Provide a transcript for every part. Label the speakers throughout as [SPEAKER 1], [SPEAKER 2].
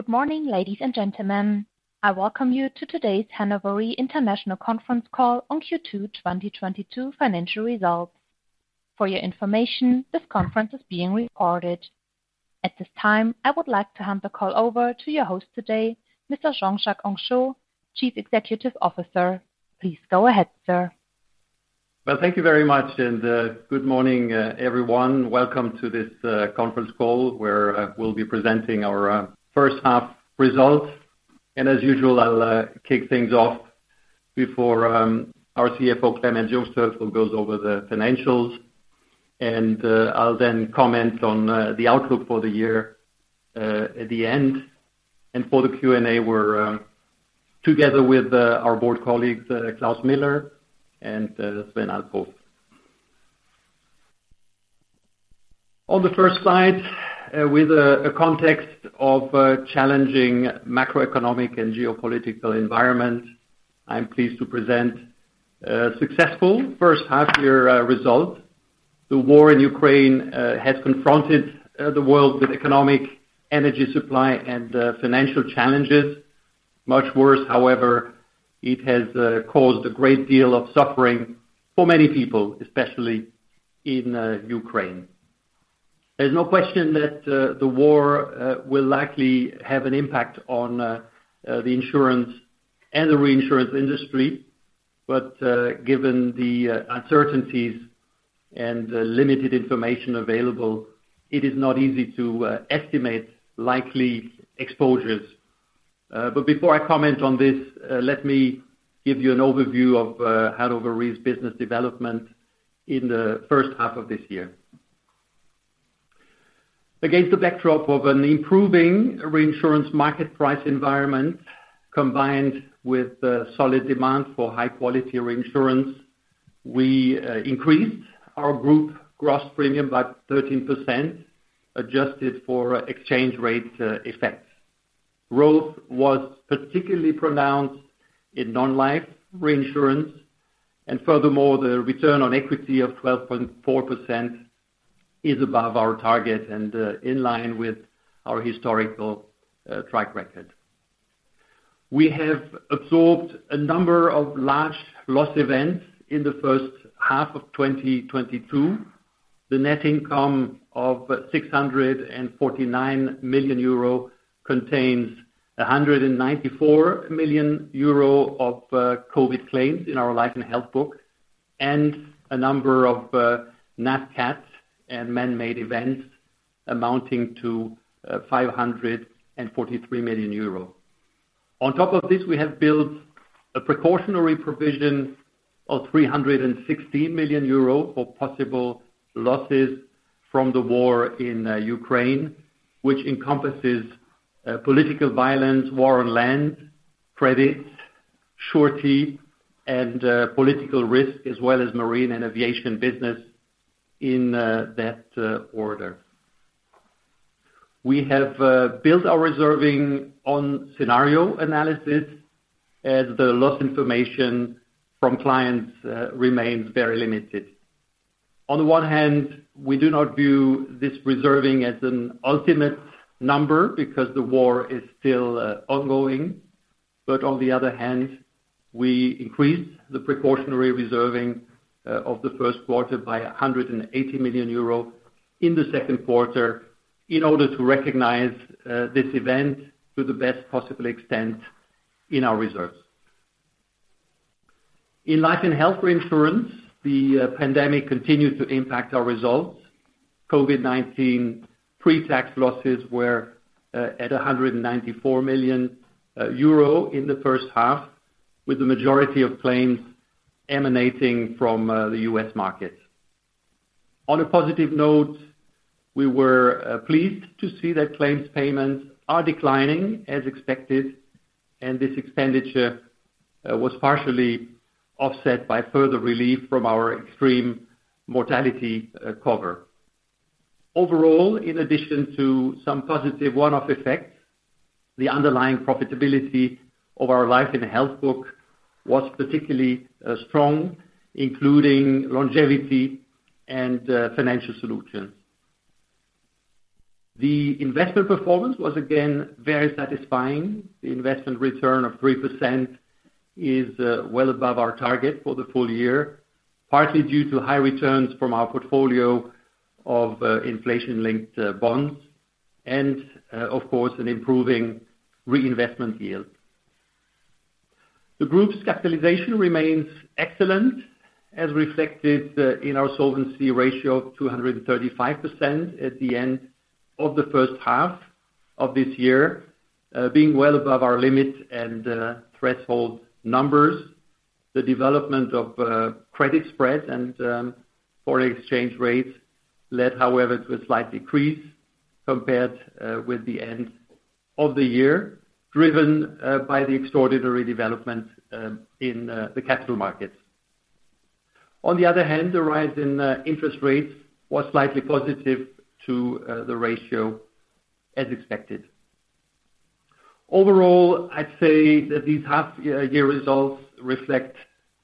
[SPEAKER 1] Good morning, ladies and gentlemen. I welcome you to today's Hannover Re International Conference call on Q2 2022 financial results. For your information, this conference is being recorded. At this time, I would like to hand the call over to your host today, Mr. Jean-Jacques Henchoz, Chief Executive Officer. Please go ahead, sir.
[SPEAKER 2] Well, thank you very much and good morning, everyone. Welcome to this conference call, where we'll be presenting our first half results. As usual, I'll kick things off before our CFO, Clemens Jungsthöfel, goes over the financials. I'll then comment on the outlook for the year at the end. For the Q&A, we're together with our board colleagues, Klaus Miller and Sven Althoff. On the first slide, with a context of a challenging macroeconomic and geopolitical environment, I'm pleased to present a successful first half year result. The war in Ukraine has confronted the world with economic energy supply and financial challenges. Much worse, however, it has caused a great deal of suffering for many people, especially in Ukraine. There's no question that the war will likely have an impact on the insurance and the reinsurance industry. Given the uncertainties and the limited information available, it is not easy to estimate likely exposures. Before I comment on this, let me give you an overview of Hannover Re's business development in the first half of this year. Against the backdrop of an improving reinsurance market price environment, combined with a solid demand for high quality reinsurance, we increased our group gross premium by 13%, adjusted for exchange rate effects. Growth was particularly pronounced in non-life reinsurance, and furthermore, the return on equity of 12.4% is above our target and in line with our historical track record. We have absorbed a number of large loss events in the first half of 2022. The net income of 649 million euro contains 194 million euro of COVID claims in our life and health book, and a number of nat cats and man-made events amounting to 543 million euros. On top of this, we have built a precautionary provision of 360 million euro for possible losses from the war in Ukraine, which encompasses political violence, war on land, credits, surety, and political risk, as well as marine and aviation business in that order. We have built our reserving on scenario analysis as the loss information from clients remains very limited. On the one hand, we do not view this reserving as an ultimate number because the war is still ongoing. On the other hand, we increased the precautionary reserving of the first quarter by 180 million euro in the second quarter in order to recognize this event to the best possible extent in our reserves. In life and health reinsurance, the pandemic continued to impact our results. COVID-19 pre-tax losses were at 194 million euro in the first half, with the majority of claims emanating from the U.S. market. On a positive note, we were pleased to see that claims payments are declining as expected, and this expenditure was partially offset by further relief from our extreme mortality cover. Overall, in addition to some positive one-off effects, the underlying profitability of our life and health book was particularly strong, including longevity and financial solutions. The investment performance was again very satisfying. The investment return of 3% is well above our target for the full year, partly due to high returns from our portfolio of inflation-linked bonds and of course, an improving reinvestment yield. The group's capitalization remains excellent, as reflected in our solvency ratio of 235% at the end of the first half of this year, being well above our limit and threshold numbers. The development of credit spreads and foreign exchange rates led, however, to a slight decrease compared with the end of the year, driven by the extraordinary development in the capital markets. On the other hand, the rise in interest rates was slightly positive to the ratio as expected. Overall, I'd say that these half-year results reflect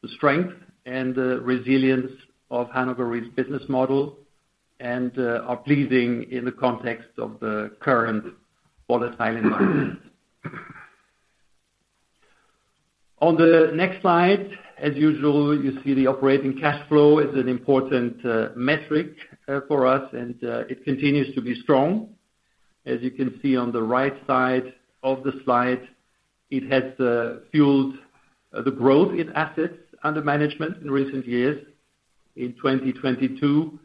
[SPEAKER 2] the strength and the resilience of Hannover Re's business model and are pleasing in the context of the current volatile environment. On the next slide, as usual, you see the operating cash flow is an important metric for us, and it continues to be strong. As you can see on the right side of the slide, it has fueled the growth in assets under management in recent years. In 2022,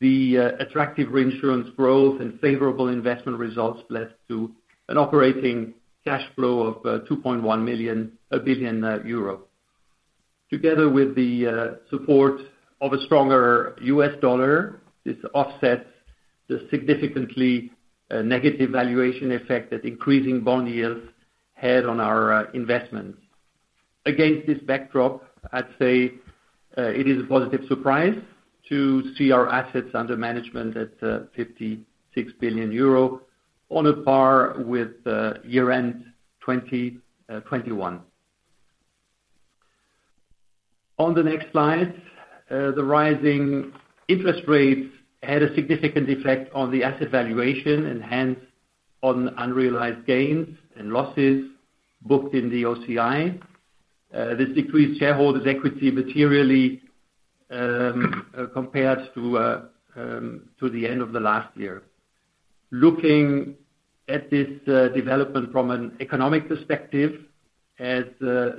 [SPEAKER 2] the attractive reinsurance growth and favorable investment results led to an operating cash flow of 2.1 billion euro. Together with the support of a stronger U.S. dollar, this offsets the significantly negative valuation effect that increasing bond yields had on our investments. Against this backdrop, I'd say it is a positive surprise to see our assets under management at 56 billion euro on a par with year-end 2021. On the next slide, the rising interest rates had a significant effect on the asset valuation and hence on unrealized gains and losses booked in the OCI. This decreased shareholders' equity materially compared to the end of the last year. Looking at this development from an economic perspective, as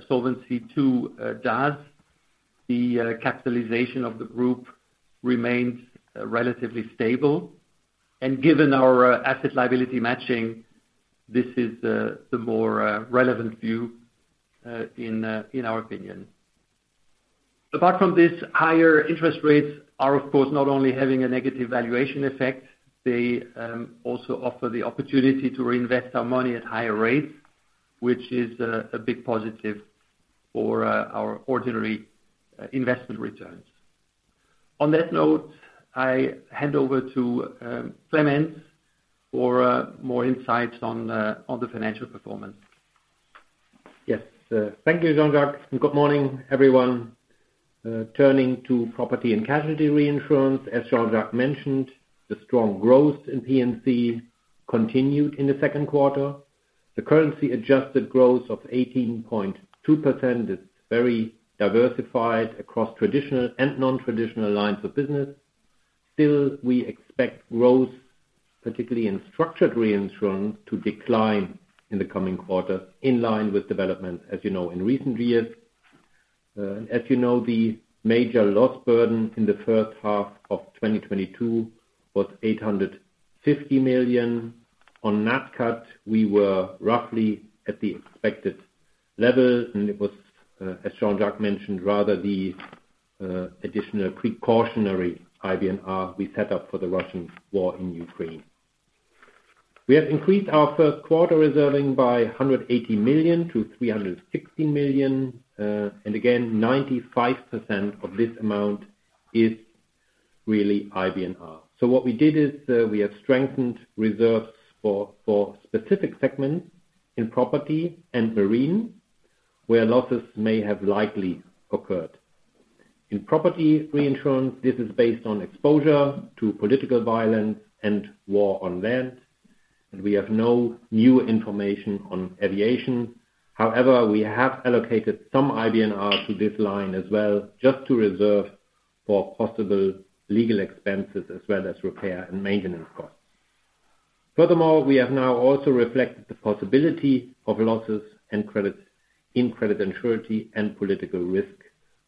[SPEAKER 2] Solvency II does, the capitalization of the group remains relatively stable. Given our asset liability matching, this is the more relevant view in our opinion. Apart from this, higher interest rates are of course not only having a negative valuation effect, they also offer the opportunity to reinvest our money at higher rates, which is a big positive for our ordinary investment returns. On that note, I hand over to Clemens for more insights on the financial performance.
[SPEAKER 3] Yes, thank you, Jean-Jacques, and good morning, everyone. Turning to property and casualty reinsurance, as Jean-Jacques mentioned, the strong growth in P&C continued in the second quarter. The currency adjusted growth of 18.2% is very diversified across traditional and non-traditional lines of business. Still, we expect growth, particularly in structured reinsurance, to decline in the coming quarter, in line with development, as you know, in recent years. As you know, the major loss burden in the first half of 2022 was 850 million. On Nat Cat, we were roughly at the expected level, and it was, as Jean-Jacques mentioned, rather the additional precautionary IBNR we set up for the Russian war in Ukraine. We have increased our first quarter reserving by 180 million-360 million, and again, 95% of this amount is really IBNR. What we did is, we have strengthened reserves for specific segments in property and marine, where losses may have likely occurred. In property reinsurance, this is based on exposure to political violence and war on land, and we have no new information on aviation. However, we have allocated some IBNR to this line as well, just to reserve for possible legal expenses as well as repair and maintenance costs. Furthermore, we have now also reflected the possibility of losses and credits in credit and surety and political risk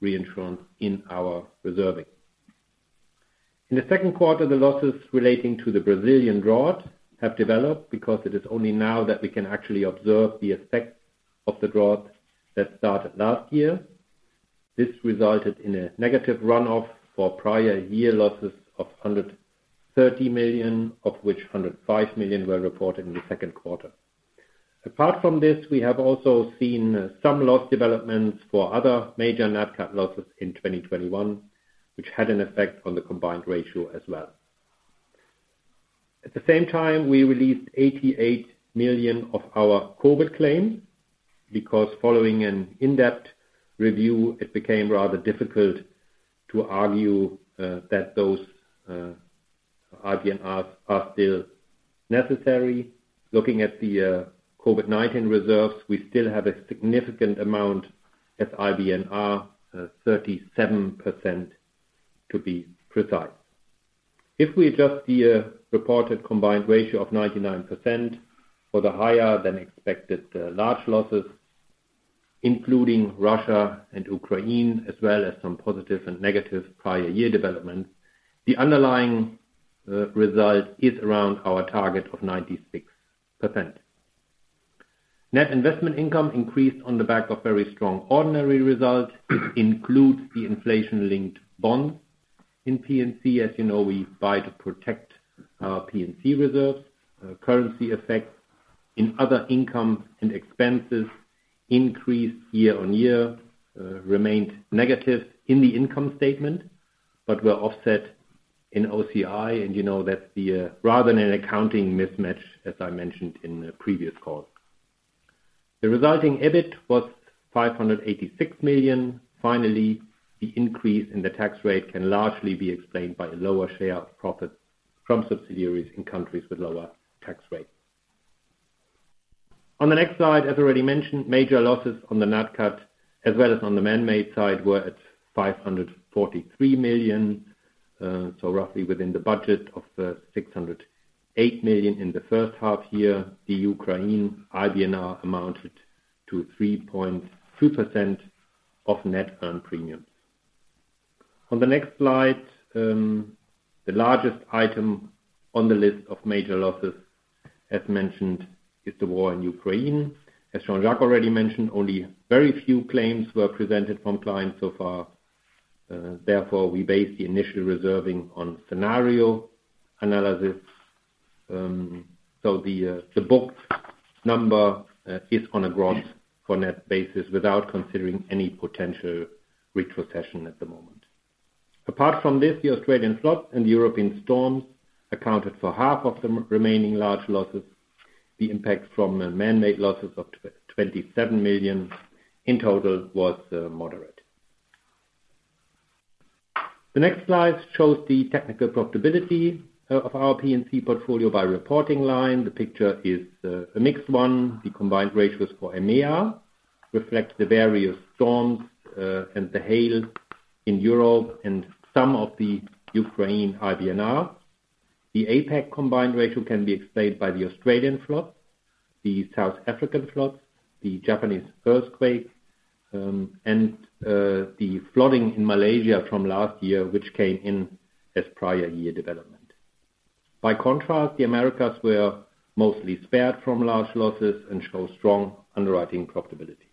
[SPEAKER 3] reinsurance in our reserving. In the second quarter, the losses relating to the Brazilian drought have developed because it is only now that we can actually observe the effects of the drought that started last year. This resulted in a negative runoff for prior year losses of 130 million, of which 105 million were reported in the second quarter. Apart from this, we have also seen some loss developments for other major Nat Cat losses in 2021, which had an effect on the combined ratio as well. At the same time, we released 88 million of our COVID-19 claim because following an in-depth review, it became rather difficult to argue that those IBNRs are still necessary. Looking at the COVID-19 reserves, we still have a significant amount as IBNR, 37% to be precise. If we adjust the reported combined ratio of 99% for the higher than expected large losses, including Russia and Ukraine, as well as some positive and negative prior year developments, the underlying result is around our target of 96%. Net investment income increased on the back of very strong ordinary results, include the inflation-linked bonds in P&C. As you know, we buy to protect our P&C reserves. Currency effects in other income and expenses increased year on year, remained negative in the income statement, but were offset in OCI. You know that's the rather than an accounting mismatch, as I mentioned in a previous call. The resulting EBIT was 586 million. Finally, the increase in the tax rate can largely be explained by a lower share of profits from subsidiaries in countries with lower tax rates. On the next slide, as already mentioned, major losses on the nat cat as well as on the man-made side were at 543 million, so roughly within the budget of the 608 million in the first half year. The Ukraine IBNR amounted to 3.2% of net earned premiums. On the next slide, the largest item on the list of major losses, as mentioned, is the war in Ukraine. As Jean-Jacques already mentioned, only very few claims were presented from clients so far. Therefore, we base the initial reserving on scenario analysis. The booked number is on a gross for net basis without considering any potential retrocession at the moment. Apart from this, the Australian floods and the European storms accounted for half of the remaining large losses. The impact from man-made losses of 27 million in total was moderate. The next slide shows the technical profitability of our P&C portfolio by reporting line. The picture is a mixed one. The combined ratios for EMEA reflect the various storms and the hail in Europe and some of the Ukraine IBNR. The APAC combined ratio can be explained by the Australian floods, the South African floods, the Japanese earthquake and the flooding in Malaysia from last year, which came in as prior year development. By contrast, the Americas were mostly spared from large losses and show strong underwriting profitability.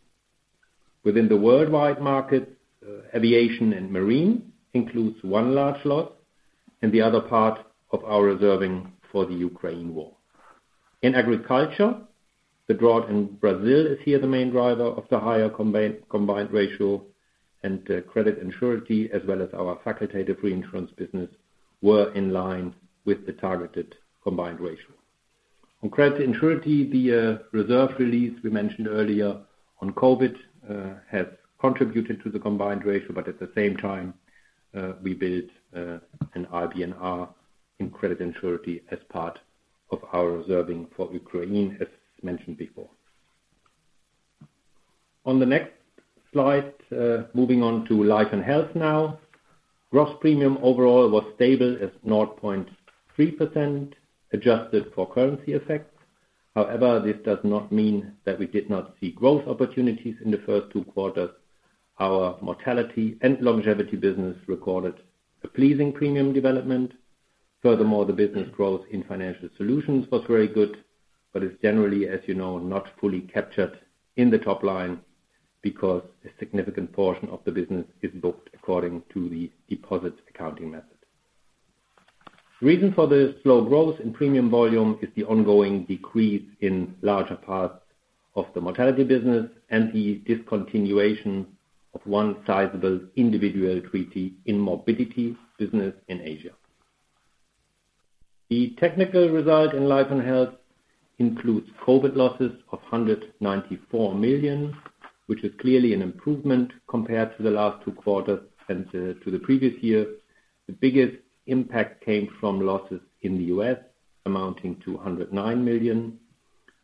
[SPEAKER 3] Within the worldwide market, aviation and marine includes one large loss and the other part of our reserving for the Ukraine war. In agriculture, the drought in Brazil is here the main driver of the higher combined ratio and, credit and surety, as well as our facultative reinsurance business, were in line with the targeted combined ratio. On credit and surety, the reserve release we mentioned earlier on COVID has contributed to the combined ratio. At the same time, we built an IBNR in credit and surety as part of our reserving for Ukraine, as mentioned before. On the next slide, moving on to life and health now. Gross premium overall was stable at 0.3% adjusted for currency effects. However, this does not mean that we did not see growth opportunities in the first two quarters. Our mortality and longevity business recorded a pleasing premium development. Furthermore, the business growth in Financial Solutions was very good, but it's generally, as you know, not fully captured in the top line because a significant portion of the business is booked according to the deposit accounting method. The reason for the slow growth in premium volume is the ongoing decrease in larger parts of the mortality business and the discontinuation of one sizable individual treaty in morbidity business in Asia. The technical result in life and health includes COVID losses of 194 million, which is clearly an improvement compared to the last two quarters and to the previous year. The biggest impact came from losses in the U.S. amounting to 109 million.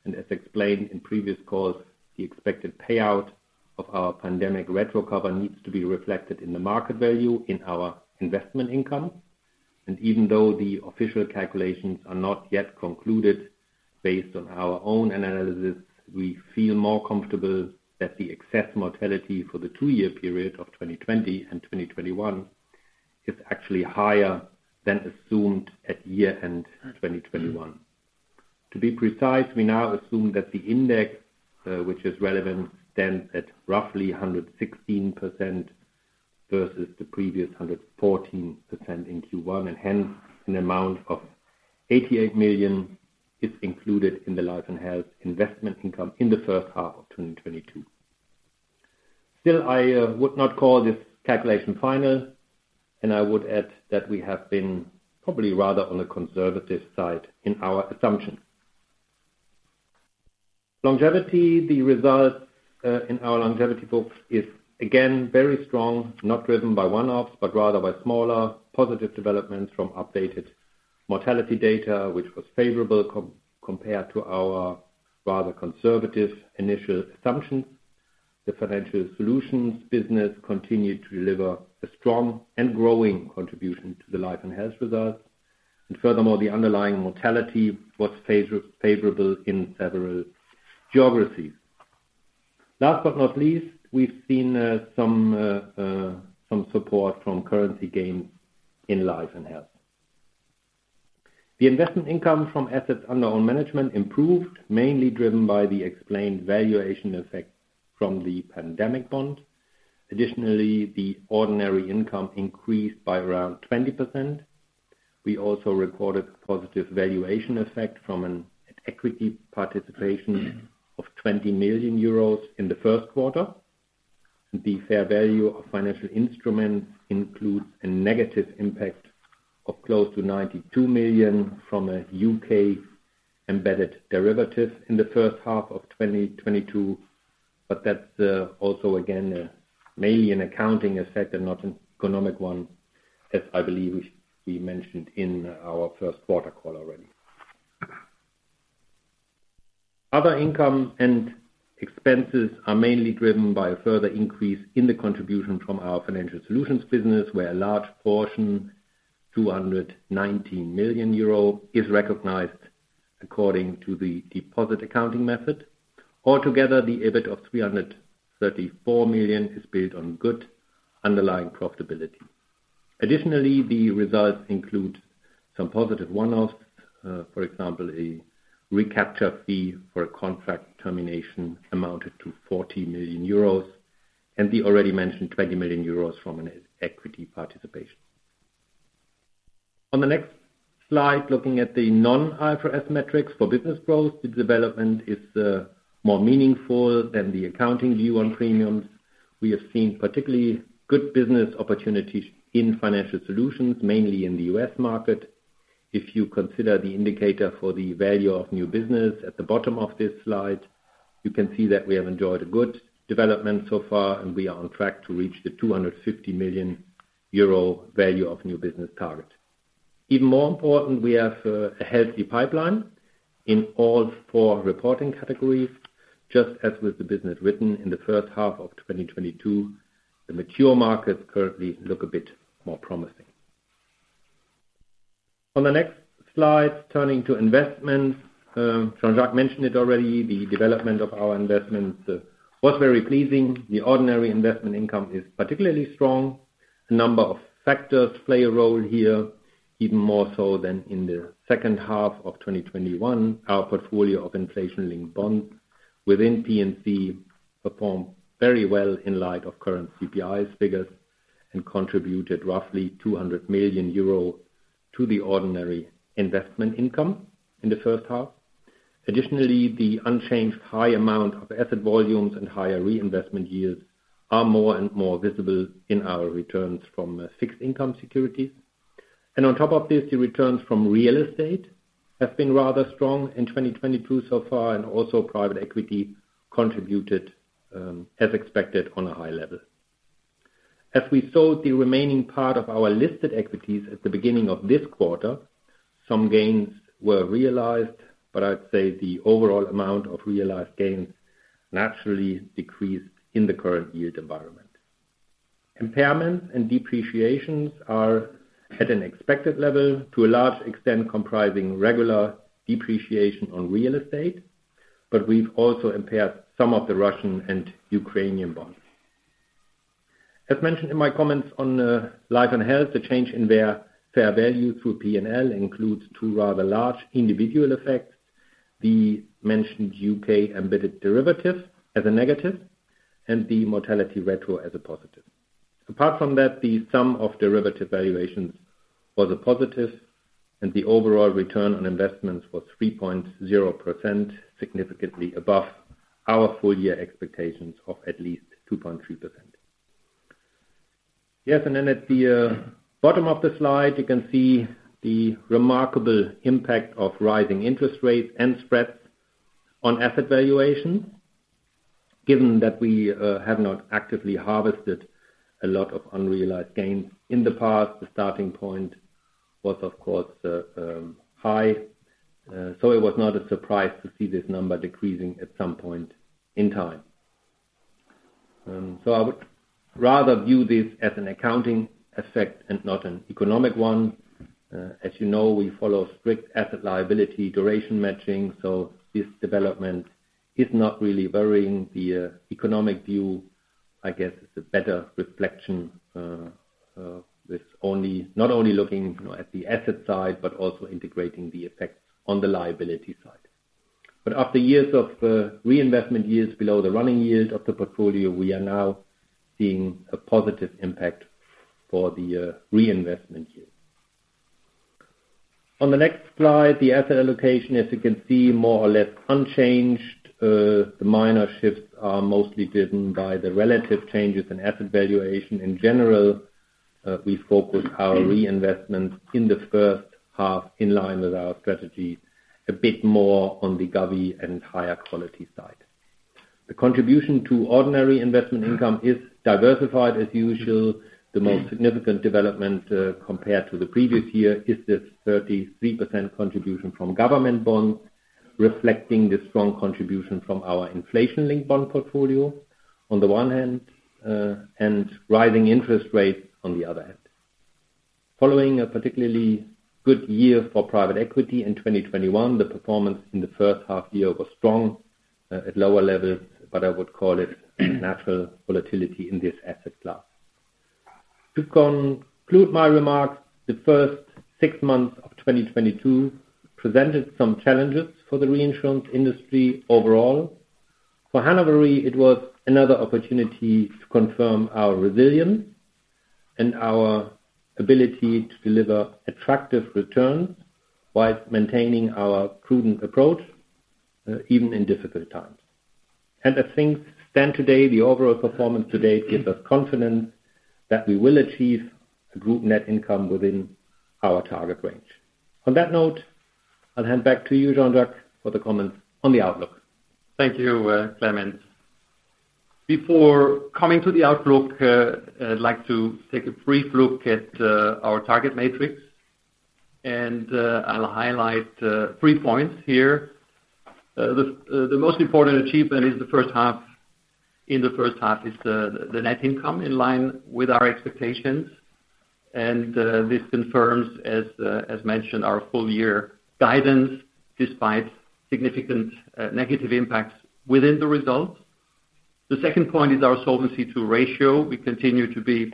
[SPEAKER 3] As explained in previous calls, the expected payout of our pandemic retro cover needs to be reflected in the market value in our investment income. Even though the official calculations are not yet concluded, based on our own analysis, we feel more comfortable that the excess mortality for the two-year period of 2020 and 2021 is actually higher than assumed at year-end 2021. To be precise, we now assume that the index, which is relevant, stands at roughly 116% versus the previous 114% in Q1. Hence, an amount of 88 million is included in the life and health investment income in the first half of 2022. Still, I would not call this calculation final, and I would add that we have been probably rather on the conservative side in our assumption. Longevity. The result in our longevity book is again very strong, not driven by one-offs, but rather by smaller positive developments from updated mortality data, which was favorable compared to our rather conservative initial assumptions. The Financial Solutions business continued to deliver a strong and growing contribution to the life and health results. Furthermore, the underlying mortality was favorable in several geographies. Last but not least, we've seen some support from currency gains in life and health. The investment income from assets under own management improved, mainly driven by the explained valuation effect from the pandemic bond. Additionally, the ordinary income increased by around 20%. We also recorded positive valuation effect from an equity participation of 20 million euros in the first quarter. The fair value of financial instruments includes a negative impact of close to 92 million from a U.K. embedded derivative in the first half of 2022. That's also again, mainly an accounting effect and not an economic one, as I believe we mentioned in our first quarter call already. Other income and expenses are mainly driven by a further increase in the contribution from our Financial Solutions business, where a large portion, 219 million euro, is recognized according to the deposit accounting method. Altogether, the EBIT of 334 million is built on good underlying profitability. Additionally, the results include some positive one-offs. For example, a recapture fee for a contract termination amounted to 40 million euros, and the already mentioned 20 million euros from an equity participation. On the next slide, looking at the non-IFRS metrics for business growth, the development is more meaningful than the accounting view on premiums. We have seen particularly good business opportunities in Financial Solutions, mainly in the U.S. Market. If you consider the indicator for the value of new business at the bottom of this slide, you can see that we have enjoyed a good development so far, and we are on track to reach the 250 million euro value of new business target. Even more important, we have a healthy pipeline in all four reporting categories. Just as with the business written in the first half of 2022, the mature markets currently look a bit more promising. On the next slide, turning to investments. Jean-Jacques mentioned it already. The development of our investments was very pleasing. The ordinary investment income is particularly strong. A number of factors play a role here, even more so than in the second half of 2021. Our portfolio of inflation-linked bonds within P&C performed very well in light of current CPI figures and contributed roughly 200 million euro to the ordinary investment income in the first half. Additionally, the unchanged high amount of asset volumes and higher reinvestment yields are more and more visible in our returns from fixed income securities. On top of this, the returns from real estate have been rather strong in 2022 so far, and also private equity contributed as expected on a high level. As we sold the remaining part of our listed equities at the beginning of this quarter, some gains were realized, but I'd say the overall amount of realized gains naturally decreased in the current yield environment. Impairments and depreciations are at an expected level, to a large extent comprising regular depreciation on real estate, but we've also impaired some of the Russian and Ukrainian bonds. As mentioned in my comments on life and health, the change in their fair value through P&L includes two rather large individual effects, the mentioned U.K. embedded derivative as a negative and the mortality retro as a positive. Apart from that, the sum of derivative valuations was a positive, and the overall return on investments was 3.0%, significantly above our full year expectations of at least 2.3%. Yes, at the bottom of the slide, you can see the remarkable impact of rising interest rates and spreads on asset valuation. Given that we have not actively harvested a lot of unrealized gains in the past, the starting point was of course high. It was not a surprise to see this number decreasing at some point in time. I would rather view this as an accounting effect and not an economic one. As you know, we follow strict asset liability duration matching, so this development is not really varying the economic view. I guess it's a better reflection with not only looking at the asset side, but also integrating the effect on the liability side. After years of reinvestment yields below the running yield of the portfolio, we are now seeing a positive impact for the reinvestment yield. On the next slide, the asset allocation, as you can see, more or less unchanged. The minor shifts are mostly driven by the relative changes in asset valuation. In general, we focus our reinvestments in the first half in line with our strategy, a bit more on the govvie and higher quality side. The contribution to ordinary investment income is diversified as usual. The most significant development compared to the previous year is this 33% contribution from government bonds, reflecting the strong contribution from our inflation-linked bond portfolio on the one hand, and rising interest rates on the other hand. Following a particularly good year for private equity in 2021, the performance in the first half year was strong at lower levels, but I would call it natural volatility in this asset class. To conclude my remarks, the first six months of 2022 presented some challenges for the reinsurance industry overall. For Hannover Re, it was another opportunity to confirm our resilience. Our ability to deliver attractive returns while maintaining our prudent approach, even in difficult times. As things stand today, the overall performance to date gives us confidence that we will achieve the group net income within our target range. On that note, I'll hand back to you, Jean-Jacques, for the comments on the outlook.
[SPEAKER 2] Thank you, Clemens. Before coming to the outlook, I'd like to take a brief look at our target matrix. I'll highlight three points here. The most important achievement in the first half is the net income in line with our expectations. This confirms, as mentioned, our full year guidance despite significant negative impacts within the results. The second point is our Solvency II ratio. We continue to be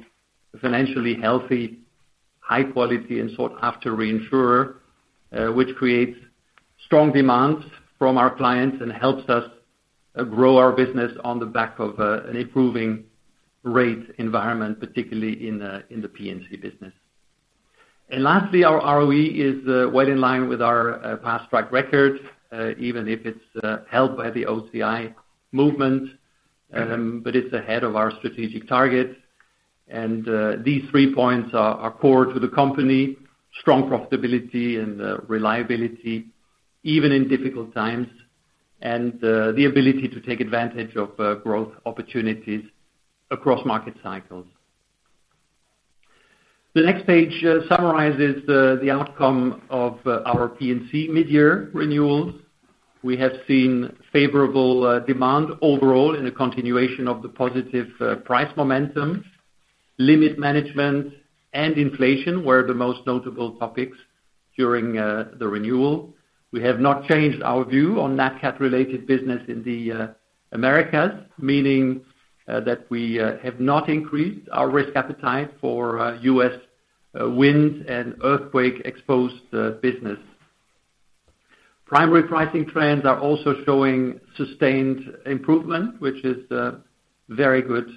[SPEAKER 2] a financially healthy, high quality, and sought-after reinsurer, which creates strong demands from our clients and helps us grow our business on the back of an improving rate environment, particularly in the P&C business. Lastly, our ROE is well in line with our past track record, even if it's held back by the OCI movement. It's ahead of our strategic target. These three points are core to the company, strong profitability and reliability even in difficult times, and the ability to take advantage of growth opportunities across market cycles. The next page summarizes the outcome of our P&C midyear renewals. We have seen favorable demand overall in a continuation of the positive price momentum. Limit management and inflation were the most notable topics during the renewal. We have not changed our view on Nat Cat related business in the Americas, meaning that we have not increased our risk appetite for U.S. wind and earthquake exposed business. Primary pricing trends are also showing sustained improvement, which is very good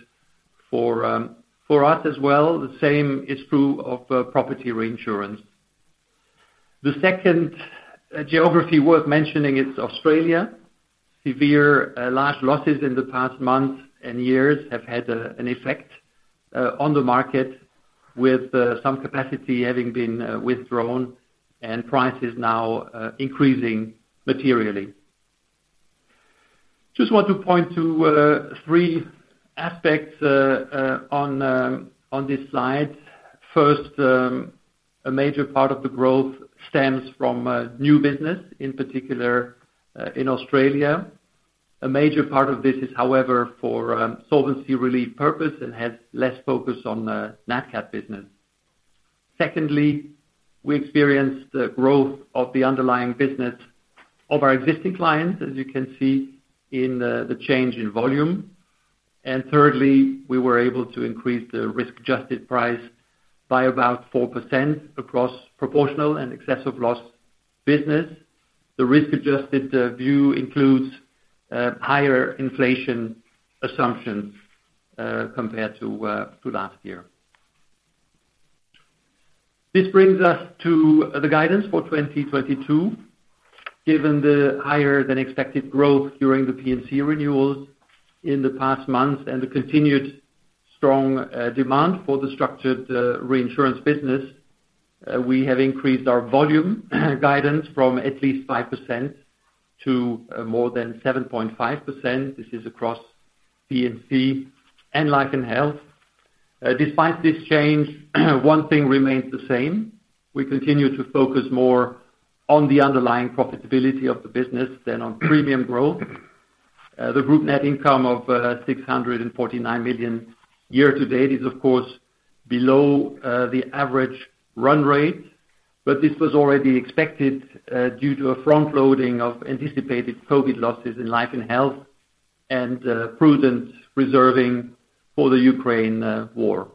[SPEAKER 2] for us as well. The same is true of property reinsurance. The second geography worth mentioning is Australia. Severe large losses in the past month and years have had an effect on the market with some capacity having been withdrawn and prices now increasing materially. Just want to point to three aspects on this slide. First, a major part of the growth stems from new business, in particular, in Australia. A major part of this is, however, for solvency relief purpose and has less focus on the Nat Cat business. Secondly, we experienced the growth of the underlying business of our existing clients, as you can see in the change in volume. Thirdly, we were able to increase the risk-adjusted price by about 4% across proportional and excess of loss business. The risk-adjusted view includes higher inflation assumptions compared to last year. This brings us to the guidance for 2022. Given the higher than expected growth during the P&C renewals in the past months and the continued strong demand for the structured reinsurance business, we have increased our volume guidance from at least 5% to more than 7.5%. This is across P&C and life and health. Despite this change, one thing remains the same. We continue to focus more on the underlying profitability of the business than on premium growth. The group net income of 649 million year to date is, of course, below the average run rate, but this was already expected due to a front-loading of anticipated COVID losses in life and health and prudent reserving for the Ukraine war.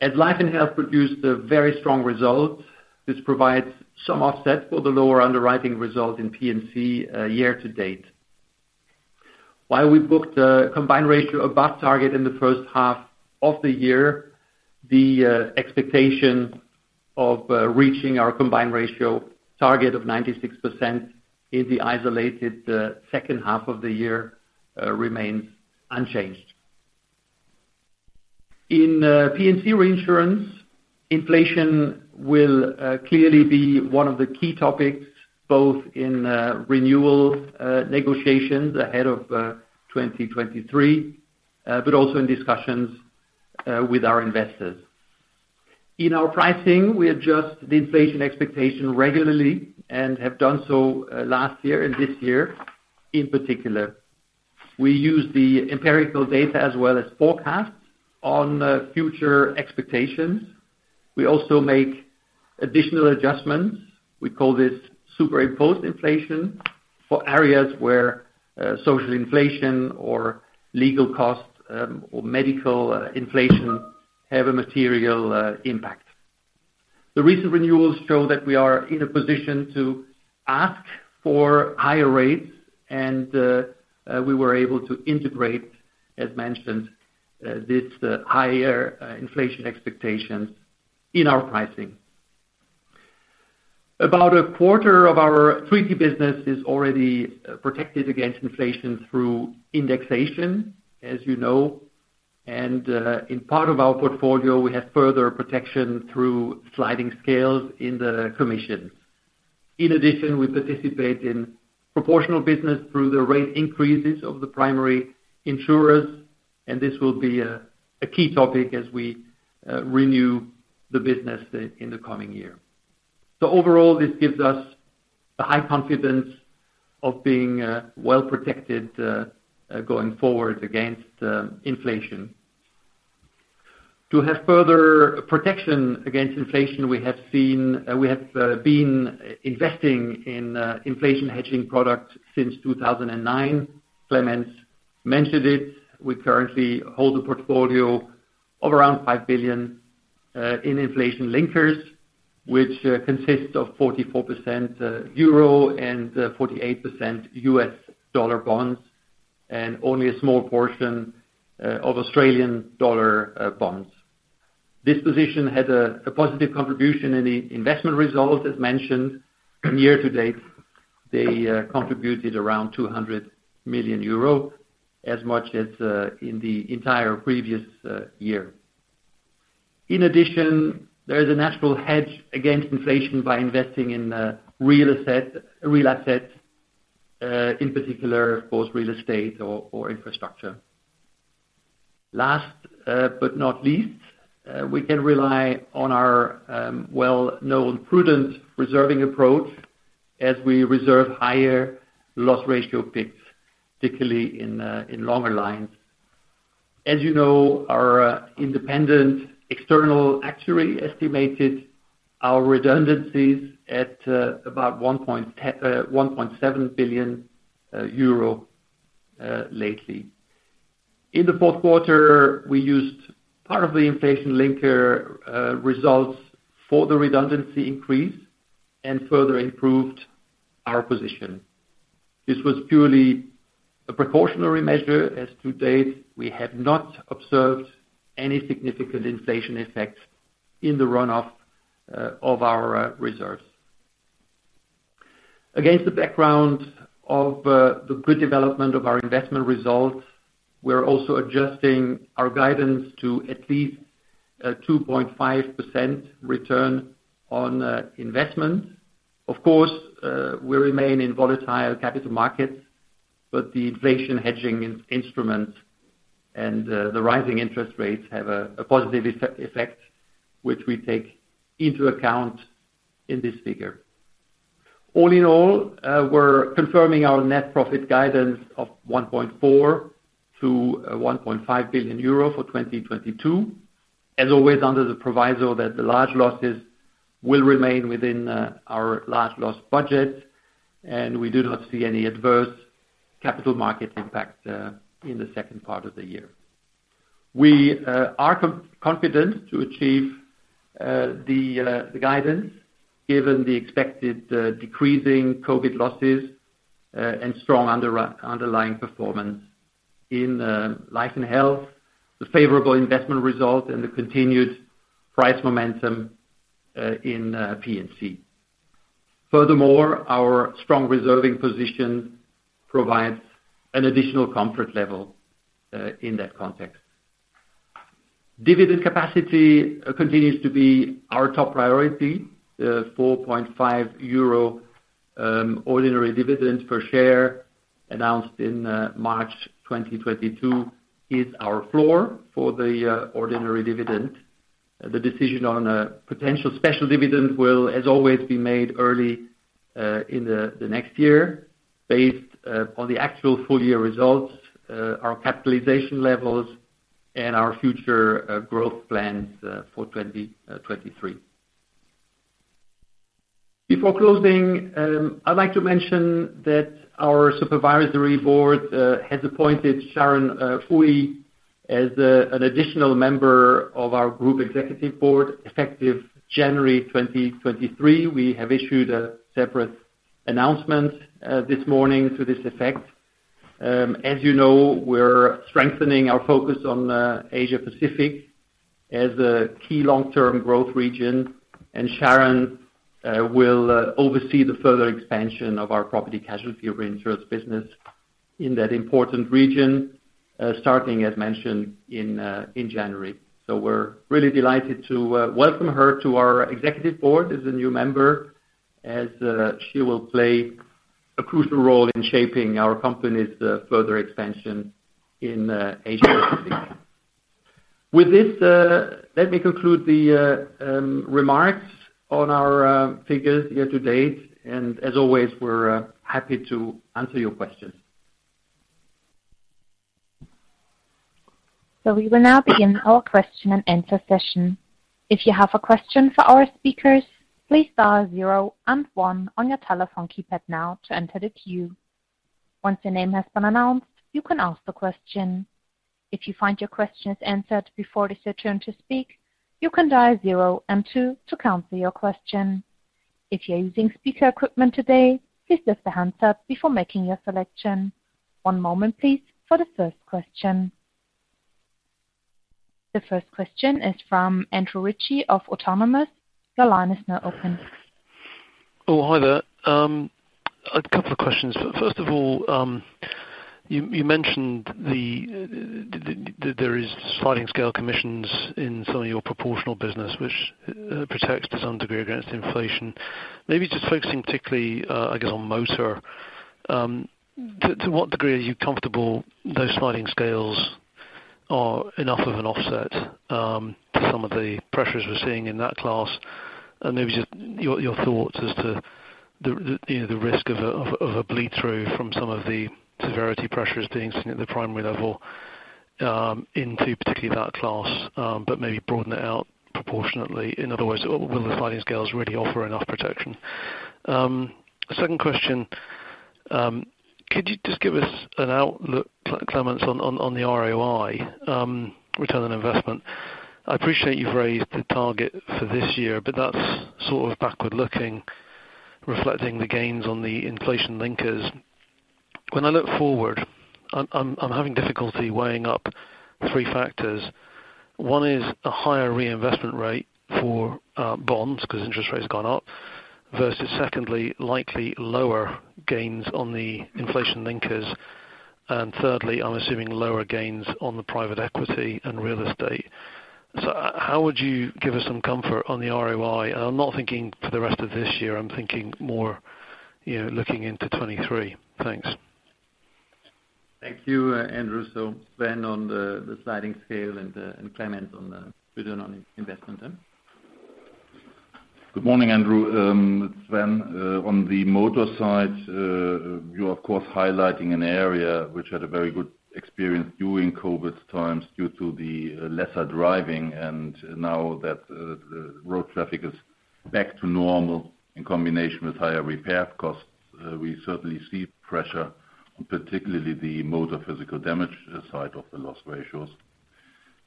[SPEAKER 2] As life and health produced a very strong result, this provides some offset for the lower underwriting result in P&C year to date. While we booked a combined ratio above target in the first half of the year, the expectation of reaching our combined ratio target of 96% in the isolated second half of the year remains unchanged. In P&C reinsurance, inflation will clearly be one of the key topics, both in renewal negotiations ahead of 2023 but also in discussions with our investors. In our pricing, we adjust the inflation expectation regularly and have done so, last year and this year in particular. We use the empirical data as well as forecasts on, future expectations. We also make additional adjustments. We call this superimposed inflation for areas where, social inflation or legal costs, or medical, inflation have a material, impact. The recent renewals show that we are in a position to ask for higher rates, and, we were able to integrate, as mentioned, this higher inflation expectations in our pricing. About a quarter of our treaty business is already protected against inflation through indexation, as you know. In part of our portfolio, we have further protection through sliding scales in the commission. In addition, we participate in proportional business through the rate increases of the primary insurers, and this will be a key topic as we renew the business in the coming year. Overall, this gives us the high confidence of being well protected going forward against inflation. To have further protection against inflation, we have been investing in inflation hedging products since 2009. Clemens mentioned it. We currently hold a portfolio of around 5 billion in inflation linkers, which consists of 44% euro and 48% U.S. Dollar bonds, and only a small portion of Australian dollar bonds. This position had a positive contribution in the investment results, as mentioned. Year to date, they contributed around 200 million euro, as much as in the entire previous year. In addition, there is a natural hedge against inflation by investing in real assets, in particular, of course, real estate or infrastructure. Last but not least, we can rely on our well-known prudent reserving approach as we reserve higher loss ratio picks, particularly in longer lines. As you know, our independent external actuary estimated our redundancies at about 1.7 billion euro lately. In the fourth quarter, we used part of the inflation-linked results for the redundancy increase and further improved our position. This was purely a precautionary measure, as to date, we have not observed any significant inflation effects in the runoff of our reserves. Against the background of the good development of our investment results, we're also adjusting our guidance to at least 2.5% return on investment. Of course, we remain in volatile capital markets, but the inflation hedging instrument and the rising interest rates have a positive effect, which we take into account in this figure. All in all, we're confirming our net profit guidance of 1.4 billion-1.5 billion euro for 2022. As always, under the proviso that the large losses will remain within our large loss budget, and we do not see any adverse capital market impact in the second part of the year. We are confident to achieve the guidance given the expected decreasing COVID losses and strong underlying performance in life and health, the favorable investment result, and the continued price momentum in P&C. Furthermore, our strong reserving position provides an additional comfort level in that context. Dividend capacity continues to be our top priority. The 4.5 euro ordinary dividend per share announced in March 2022 is our floor for the ordinary dividend. The decision on a potential special dividend will, as always, be made early in the next year based on the actual full-year results, our capitalization levels and our future growth plans for 2023. Before closing, I'd like to mention that our supervisory board has appointed Sharon Ooi as an additional member of our group executive board, effective January 2023. We have issued a separate announcement this morning to this effect. As you know, we're strengthening our focus on Asia Pacific as a key long-term growth region, and Sharon will oversee the further expansion of our property casualty reinsurance business in that important region, starting as mentioned in January. We're really delighted to welcome her to our executive board as a new member, as she will play a crucial role in shaping our company's further expansion in Asia Pacific. With this, let me conclude the remarks on our figures year to date, and as always, we're happy to answer your questions.
[SPEAKER 1] We will now begin our question-and-answer session. If you have a question for our speakers, please dial zero and one on your telephone keypad now to enter the queue. Once your name has been announced, you can ask the question. If you find your question is answered before it is your turn to speak, you can dial zero and two to cancel your question. If you are using speaker equipment today, please lift the handset before making your selection. One moment please, for the first question. The first question is from Andrew Ritchie of Autonomous. Your line is now open.
[SPEAKER 4] Oh, hi there. A couple of questions. First of all, you mentioned there is sliding scale commissions in some of your proportional business which protects to some degree against inflation. Maybe just focusing particularly, I guess on motor. To what degree are you comfortable those sliding scales are enough of an offset to some of the pressures we're seeing in that class? Maybe just your thoughts as to the you know the risk of a bleed through from some of the severity pressures being seen at the primary level into particularly that class, but maybe broaden it out proportionately. In other words, will the sliding scales really offer enough protection? Second question. Could you just give us an outlook, Clemens, on the ROI, return on investment? I appreciate you've raised the target for this year, but that's sort of backward looking, reflecting the gains on the inflation linkers. When I look forward, I'm having difficulty weighing up three factors. One is the higher reinvestment rate for bonds because interest rates have gone up, versus secondly, likely lower gains on the inflation linkers. Thirdly, I'm assuming lower gains on the private equity and real estate. How would you give us some comfort on the ROI? I'm not thinking for the rest of this year, I'm thinking more, you know, looking into 2023. Thanks.
[SPEAKER 3] Thank you, Andrew. Sven on the sliding scale and Clemens on the return on investment.
[SPEAKER 5] Good morning, Andrew. Sven, on the motor side, you of course highlighting an area which had a very good experience during COVID times due to the lesser driving. Now that the road traffic is back to normal in combination with higher repair costs, we certainly see pressure on particularly the motor physical damage side of the loss ratios.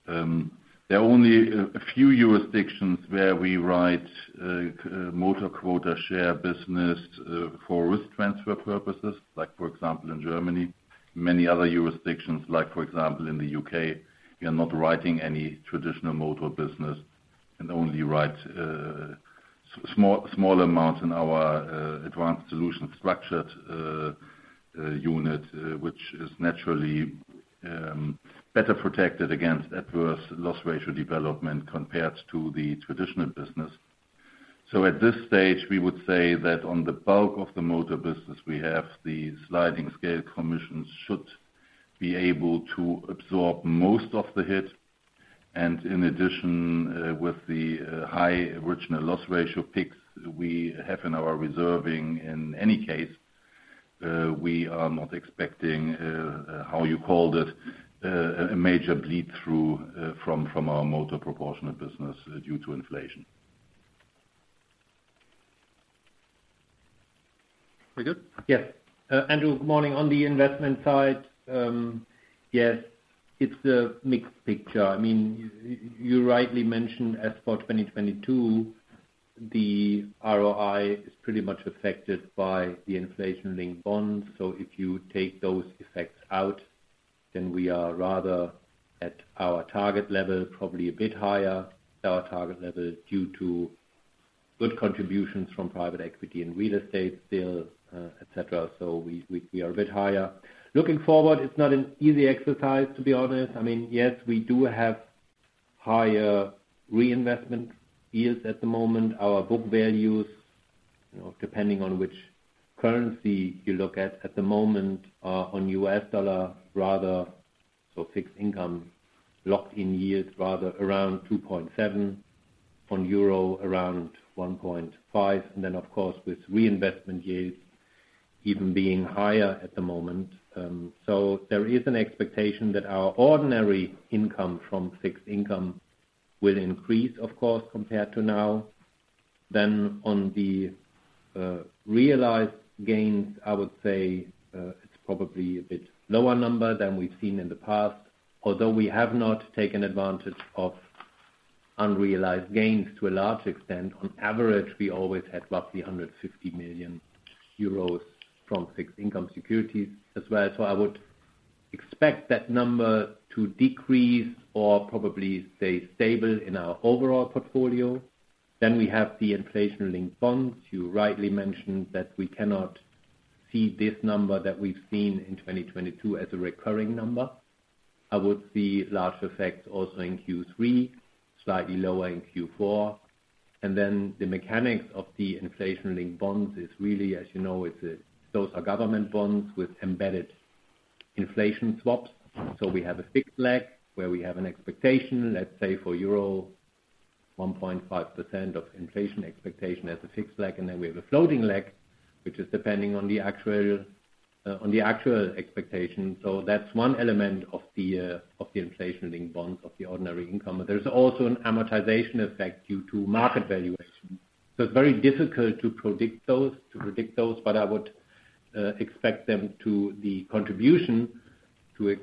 [SPEAKER 5] There are only a few jurisdictions where we write motor quota share business for risk transfer purposes. Like, for example, in Germany. Many other jurisdictions, like for example, in the UK, we are not writing any traditional motor business. Only write small amounts in our Advanced Solutions structured unit, which is naturally better protected against adverse loss ratio development compared to the traditional business. At this stage, we would say that on the bulk of the motor business we have, the sliding scale commissions should be able to absorb most of the hit. In addition, with the high original loss ratio picks we have in our reserving in any case, we are not expecting how you called it, a major bleed through from our motor proportional business due to inflation.
[SPEAKER 3] We good?
[SPEAKER 4] Yes.
[SPEAKER 3] Andrew, good morning. On the investment side, yes, it's a mixed picture. I mean, you rightly mentioned as for 2022, the ROI is pretty much affected by the inflation-linked bonds. If you take those effects out, then we are rather at our target level, probably a bit higher than our target level due to good contributions from private equity and real estate deals, et cetera. We are a bit higher. Looking forward, it's not an easy exercise, to be honest. I mean, yes, we do have higher reinvestment yields at the moment. Our book values, you know, depending on which currency you look at at the moment, are on U.S. dollar rather. Fixed income locked in yields rather around 2.7%. On euro, around 1.5%. Of course, with reinvestment yields even being higher at the moment. There is an expectation that our ordinary income from fixed income will increase, of course, compared to now. On the realized gains, I would say, it's probably a bit lower number than we've seen in the past. Although we have not taken advantage of unrealized gains to a large extent, on average, we always had roughly 150 million euros from fixed income securities as well. I would expect that number to decrease or probably stay stable in our overall portfolio. We have the inflation-linked bonds. You rightly mentioned that we cannot see this number that we've seen in 2022 as a recurring number. I would see large effects also in Q3, slightly lower in Q4. The mechanics of the inflation-linked bonds is really, as you know. Those are government bonds with embedded inflation swaps. We have a fixed leg where we have an expectation, let's say for euro, 1.5% of inflation expectation as a fixed leg. Then we have a floating leg, which is depending on the actual expectation. That's one element of the inflation-linked bond of the ordinary income. There's also an amortization effect due to market valuation. It's very difficult to predict those, but I would expect the contribution to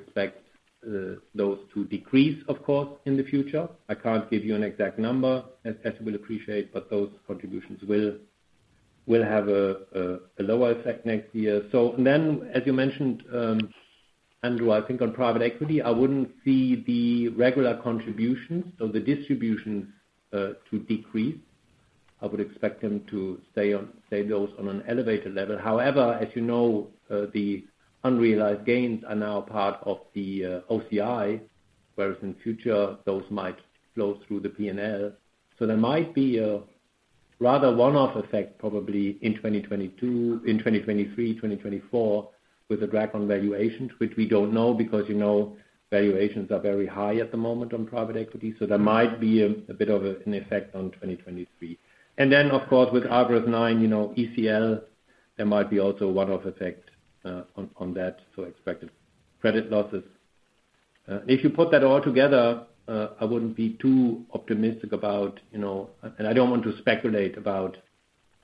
[SPEAKER 3] decrease, of course, in the future. I can't give you an exact number, as Tessa will appreciate, but those contributions will have a lower effect next year. As you mentioned, Andrew, I think on private equity, I wouldn't see the regular contributions or the distributions to decrease. I would expect them to stay those on an elevated level. However, as you know, the unrealized gains are now part of the OCI, whereas in future, those might flow through the P&L. There might be a rather one-off effect probably in 2022, in 2023, 2024, with a drag on valuations, which we don't know because, you know, valuations are very high at the moment on private equity. There might be a bit of an effect on 2023. Then, of course, with IFRS 9, you know, ECL, there might be also a one-off effect on that, so expected credit losses. If you put that all together, I wouldn't be too optimistic about, you know. I don't want to speculate about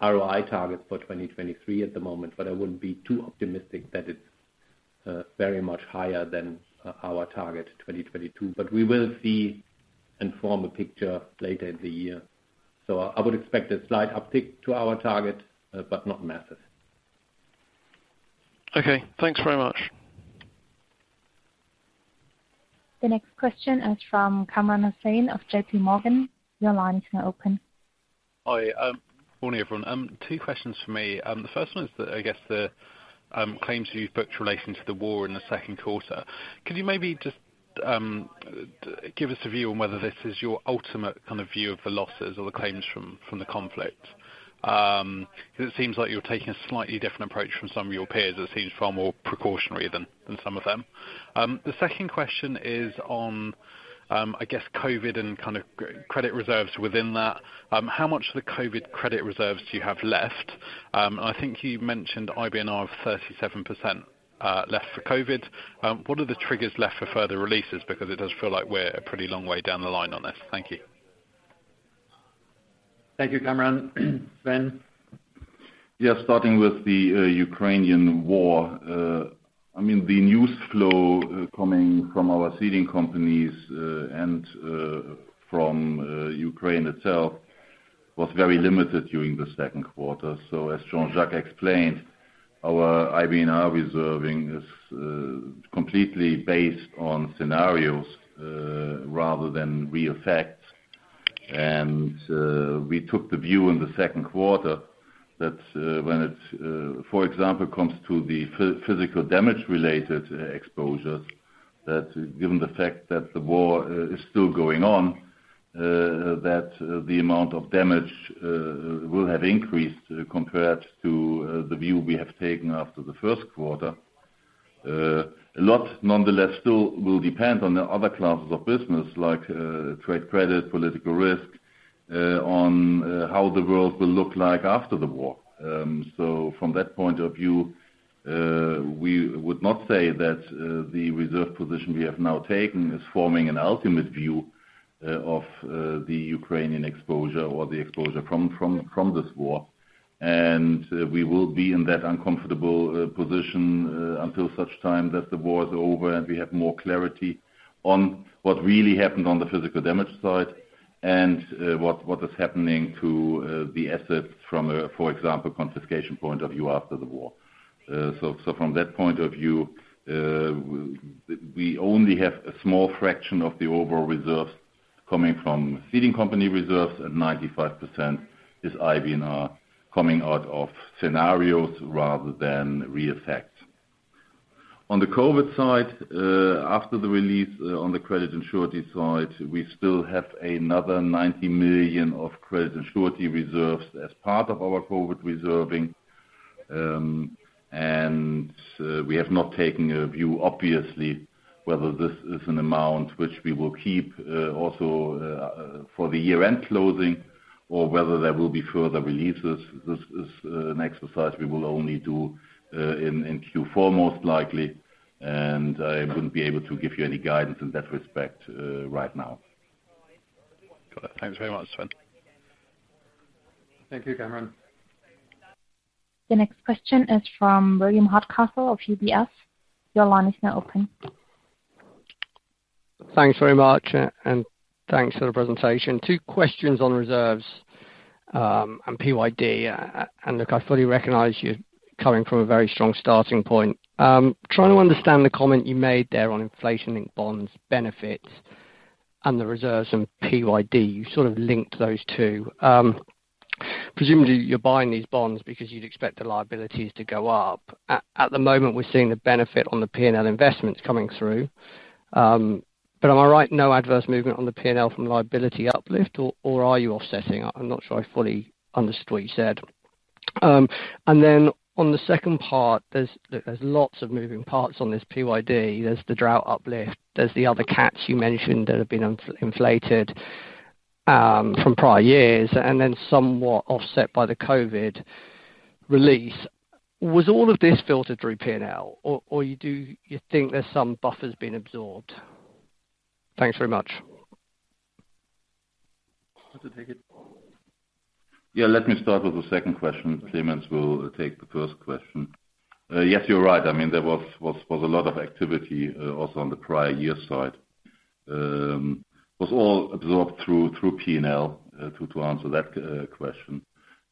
[SPEAKER 3] ROI targets for 2023 at the moment, but I wouldn't be too optimistic that it's very much higher than our target 2022. We will see and form a picture later in the year. I would expect a slight uptick to our target, but not massive.
[SPEAKER 4] Okay, thanks very much.
[SPEAKER 1] The next question is from Kamran Hossain of J.P. Morgan. Your line is now open.
[SPEAKER 6] Hi. Good morning, everyone. Two questions from me. The first one is, I guess, the claims you've booked relating to the war in the second quarter. Could you maybe just give us a view on whether this is your ultimate kind of view of the losses or the claims from the conflict? Because it seems like you're taking a slightly different approach from some of your peers. It seems far more precautionary than some of them. The second question is on, I guess, COVID and kind of credit reserves within that. How much of the COVID credit reserves do you have left? I think you mentioned IBNR of 37% left for COVID. What are the triggers left for further releases? Because it does feel like we're a pretty long way down the line on this. Thank you.
[SPEAKER 3] Thank you, Kamran. Sven?
[SPEAKER 5] Yeah, starting with the Ukrainian war. I mean, the news flow coming from our ceding companies and from Ukraine itself was very limited during the second quarter. As Jean-Jacques explained, our IBNR reserving is completely based on scenarios rather than real facts. We took the view in the second quarter that when it comes to the physical damage related exposures, that given the fact that the war is still going on, that the amount of damage will have increased compared to the view we have taken after the first quarter. A lot, nonetheless, still will depend on the other classes of business, like trade credit, political risk, on how the world will look like after the war. From that point of view, we would not say that the reserve position we have now taken is forming an ultimate view of the Ukrainian exposure or the exposure from this war. We will be in that uncomfortable position until such time that the war is over and we have more clarity on what really happened on the physical damage side and what is happening to the assets from a, for example, confiscation point of view after the war. From that point of view, we only have a small fraction of the overall reserves coming from ceding company reserves, and 95% is IBNR coming out of scenarios rather than real facts. On the COVID side, after the release on the credit and surety side, we still have another 90 million of credit and surety reserves as part of our COVID reserving. We have not taken a view, obviously, whether this is an amount which we will keep also for the year-end closing or whether there will be further releases. This is an exercise we will only do in Q4 most likely, and I wouldn't be able to give you any guidance in that respect right now.
[SPEAKER 6] Got it. Thanks very much, Sven.
[SPEAKER 3] Thank you, Kamran.
[SPEAKER 1] The next question is from William Hardcastle of UBS. Your line is now open.
[SPEAKER 7] Thanks very much and thanks for the presentation. Two questions on reserves and PYD. Look, I fully recognize you're coming from a very strong starting point. Trying to understand the comment you made there on inflation-linked bonds benefits and the reserves and PYD. You sort of linked those two. Presumably you're buying these bonds because you'd expect the liabilities to go up. At the moment, we're seeing the benefit on the P&L investments coming through. Am I right, no adverse movement on the P&L from liability uplift or are you offsetting? I'm not sure I fully understood what you said. On the second part, look, there's lots of moving parts on this PYD. There's the drought uplift, there's the other cats you mentioned that have been inflated from prior years, and then somewhat offset by the COVID release. Was all of this filtered through P&L or do you think there's some buffers being absorbed? Thanks very much.
[SPEAKER 3] Want to take it?
[SPEAKER 5] Yeah, let me start with the second question. Clemens will take the first question. Yes, you're right. I mean, there was a lot of activity also on the prior year side. It was all absorbed through P&L to answer that question.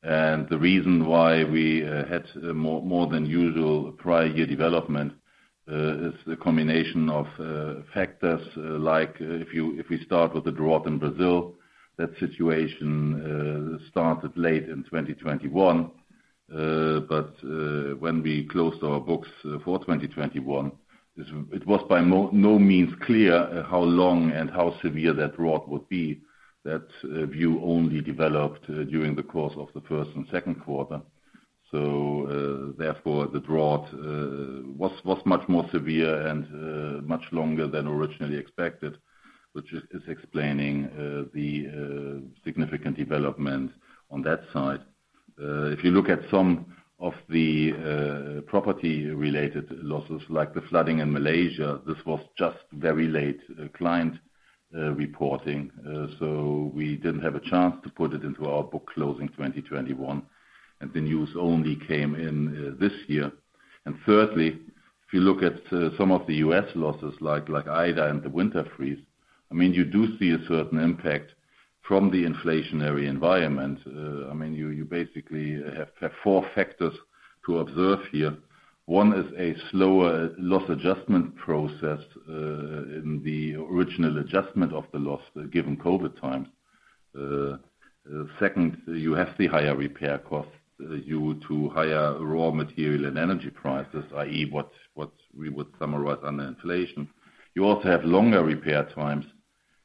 [SPEAKER 5] The reason why we had more than usual prior year development is the combination of factors, like if we start with the drought in Brazil, that situation started late in 2021. When we closed our books for 2021, it was by no means clear how long and how severe that drought would be. That view only developed during the course of the first and second quarter. Therefore, the drought was much more severe and much longer than originally expected, which is explaining the significant development on that side. If you look at some of the property-related losses, like the flooding in Malaysia, this was just very late client reporting. We didn't have a chance to put it into our book closing 2021, and the news only came in this year. Thirdly, if you look at some of the U.S. losses like Ida and the winter freeze, I mean, you do see a certain impact from the inflationary environment. I mean, you basically have four factors to observe here. One is a slower loss adjustment process in the original adjustment of the loss given COVID times. Second, you have the higher repair costs due to higher raw material and energy prices, i.e., what we would summarize under inflation. You also have longer repair times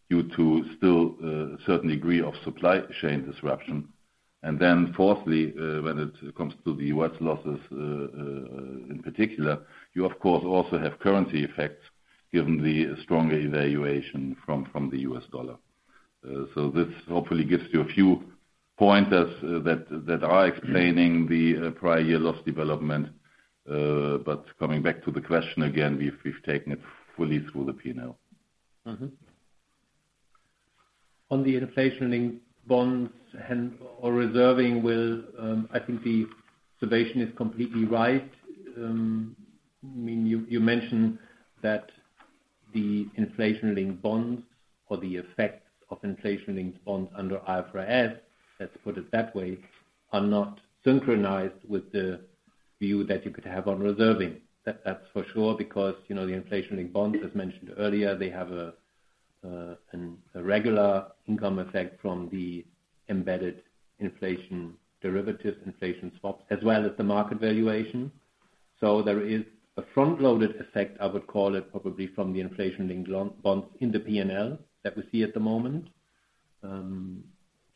[SPEAKER 5] due to still a certain degree of supply chain disruption. Then fourthly, when it comes to the U.S. losses, in particular, you of course also have currency effects given the stronger appreciation of the U.S. dollar. This hopefully gives you a few pointers that are explaining the prior year loss development. Coming back to the question again, we've taken it fully through the P&L.
[SPEAKER 3] On the inflation-linked bonds and reserving, well, I think the observation is completely right. I mean, you mentioned that the inflation-linked bonds or the effect of inflation-linked bonds under IFRS, let's put it that way, are not synchronized with the view that you could have on reserving. That's for sure, because, you know, the inflation-linked bonds, as mentioned earlier, they have a regular income effect from the embedded inflation derivatives, inflation swaps, as well as the market valuation. So there is a front-loaded effect, I would call it, probably from the inflation-linked bonds in the P&L that we see at the moment. 200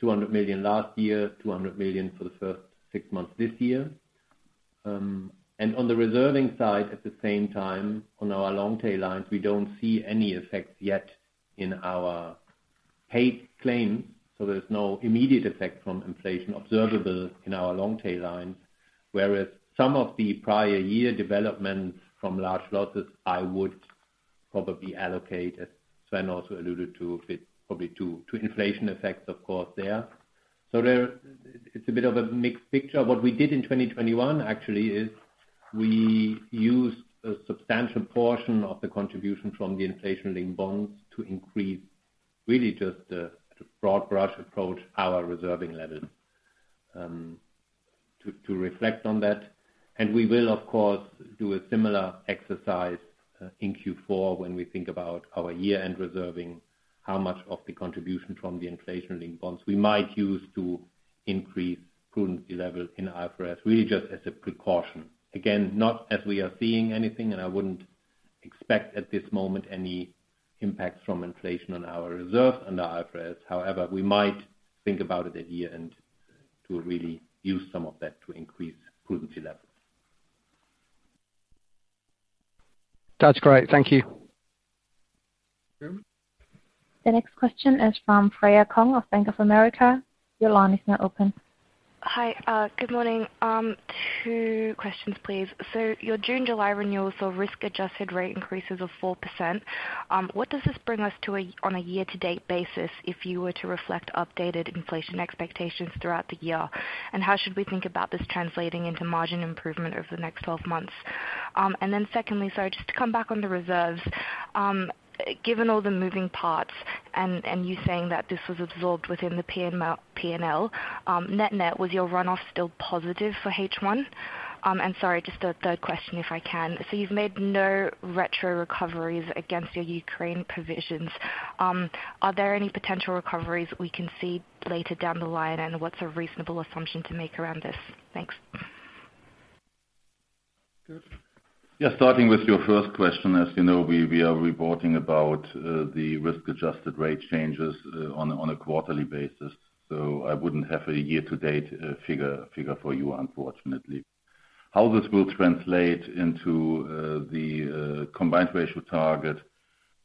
[SPEAKER 3] million last year, 200 million for the first six months this year. On the reserving side, at the same time, on our long tail lines, we don't see any effects yet in our paid claims, so there's no immediate effect from inflation observable in our long tail lines. Whereas some of the prior year developments from large losses, I would probably allocate, as Sven also alluded to, if it's probably to inflation effects, of course, there. There, it's a bit of a mixed picture. What we did in 2021 actually is we used a substantial portion of the contribution from the inflation-linked bonds to increase really just a broad brush approach our reserving levels, to reflect on that. We will of course do a similar exercise in Q4 when we think about our year-end reserving, how much of the contribution from the inflation-linked bonds we might use to increase prudent level in IFRS, really just as a precaution. Again, not as we are seeing anything, and I wouldn't expect at this moment any impact from inflation on our reserve under IFRS. However, we might think about it at year-end to really use some of that to increase prudency levels.
[SPEAKER 7] That's great. Thank you.
[SPEAKER 3] Kim?
[SPEAKER 1] The next question is from Freya Kong of Bank of America. Your line is now open.
[SPEAKER 8] Hi. Good morning. Two questions, please. Your June, July renewals saw risk-adjusted rate increases of 4%. What does this bring us to on a year-to-date basis if you were to reflect updated inflation expectations throughout the year? How should we think about this translating into margin improvement over the next 12 months? Secondly, sorry, just to come back on the reserves. Given all the moving parts and you saying that this was absorbed within the P&L, net-net, was your runoff still positive for H1? Sorry, just a third question, if I can. You've made no retro recoveries against your Ukraine provisions. Are there any potential recoveries we can see later down the line? What's a reasonable assumption to make around this? Thanks.
[SPEAKER 3] Sure.
[SPEAKER 5] Yeah. Starting with your first question, as you know, we are reporting about the risk-adjusted rate changes on a quarterly basis. I wouldn't have a year-to-date figure for you, unfortunately. How this will translate into the combined ratio target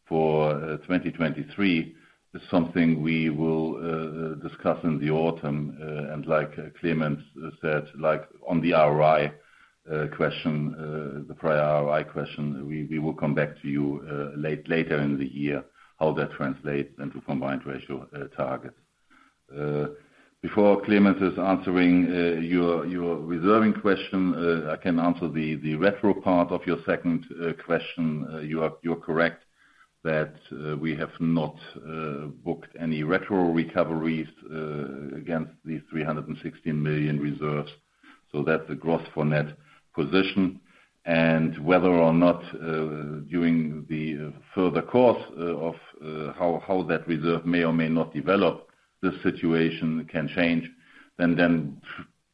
[SPEAKER 5] for 2023 is something we will discuss in the autumn. Like Clemens said, like on the ROI question, the prior ROI question. We will come back to you later in the year, how that translates into combined ratio targets. Before Clemens is answering your reserving question, I can answer the retro part of your second question. You're correct that we have not booked any retro recoveries against 316 million reserves, so that's a gross for net position. Whether or not during the further course of how that reserve may or may not develop, the situation can change. Then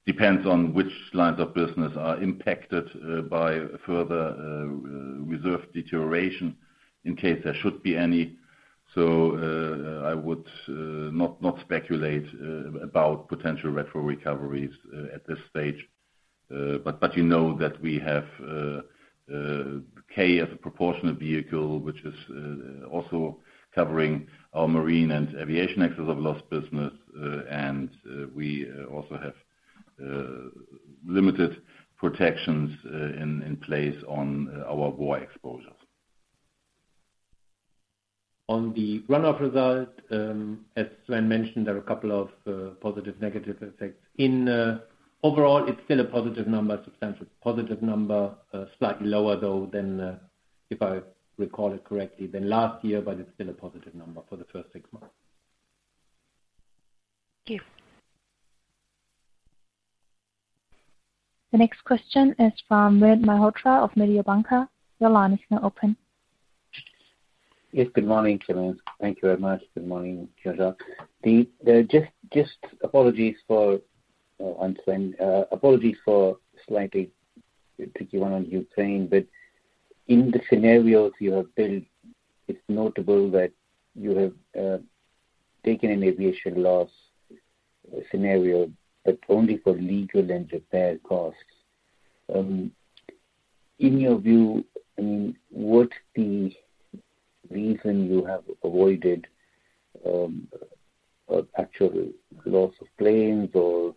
[SPEAKER 5] depends on which lines of business are impacted by further reserve deterioration in case there should be any. I would not speculate about potential retro recoveries at this stage. You know that we have K as a proportionate vehicle, which is also covering our marine and aviation excess of loss business. We also have limited protections in place on our war exposures.
[SPEAKER 3] On the run-off result, as Sven mentioned, there are a couple of positive, negative effects. In overall, it's still a positive number, substantial positive number, slightly lower though than if I recall it correctly, than last year, but it's still a positive number for the first six months.
[SPEAKER 1] Thank you. The next question is from Vinit Malhotra of Mediobanca. Your line is now open.
[SPEAKER 9] Yes. Good morning, Clemens. Thank you very much. Good morning, Jean-Jacques. Apologies for slightly picking on you, Sven. In the scenarios you have built, it's notable that you have taken an aviation loss scenario, but only for legal and repair costs. In your view, what's the reason you have avoided actual loss of planes or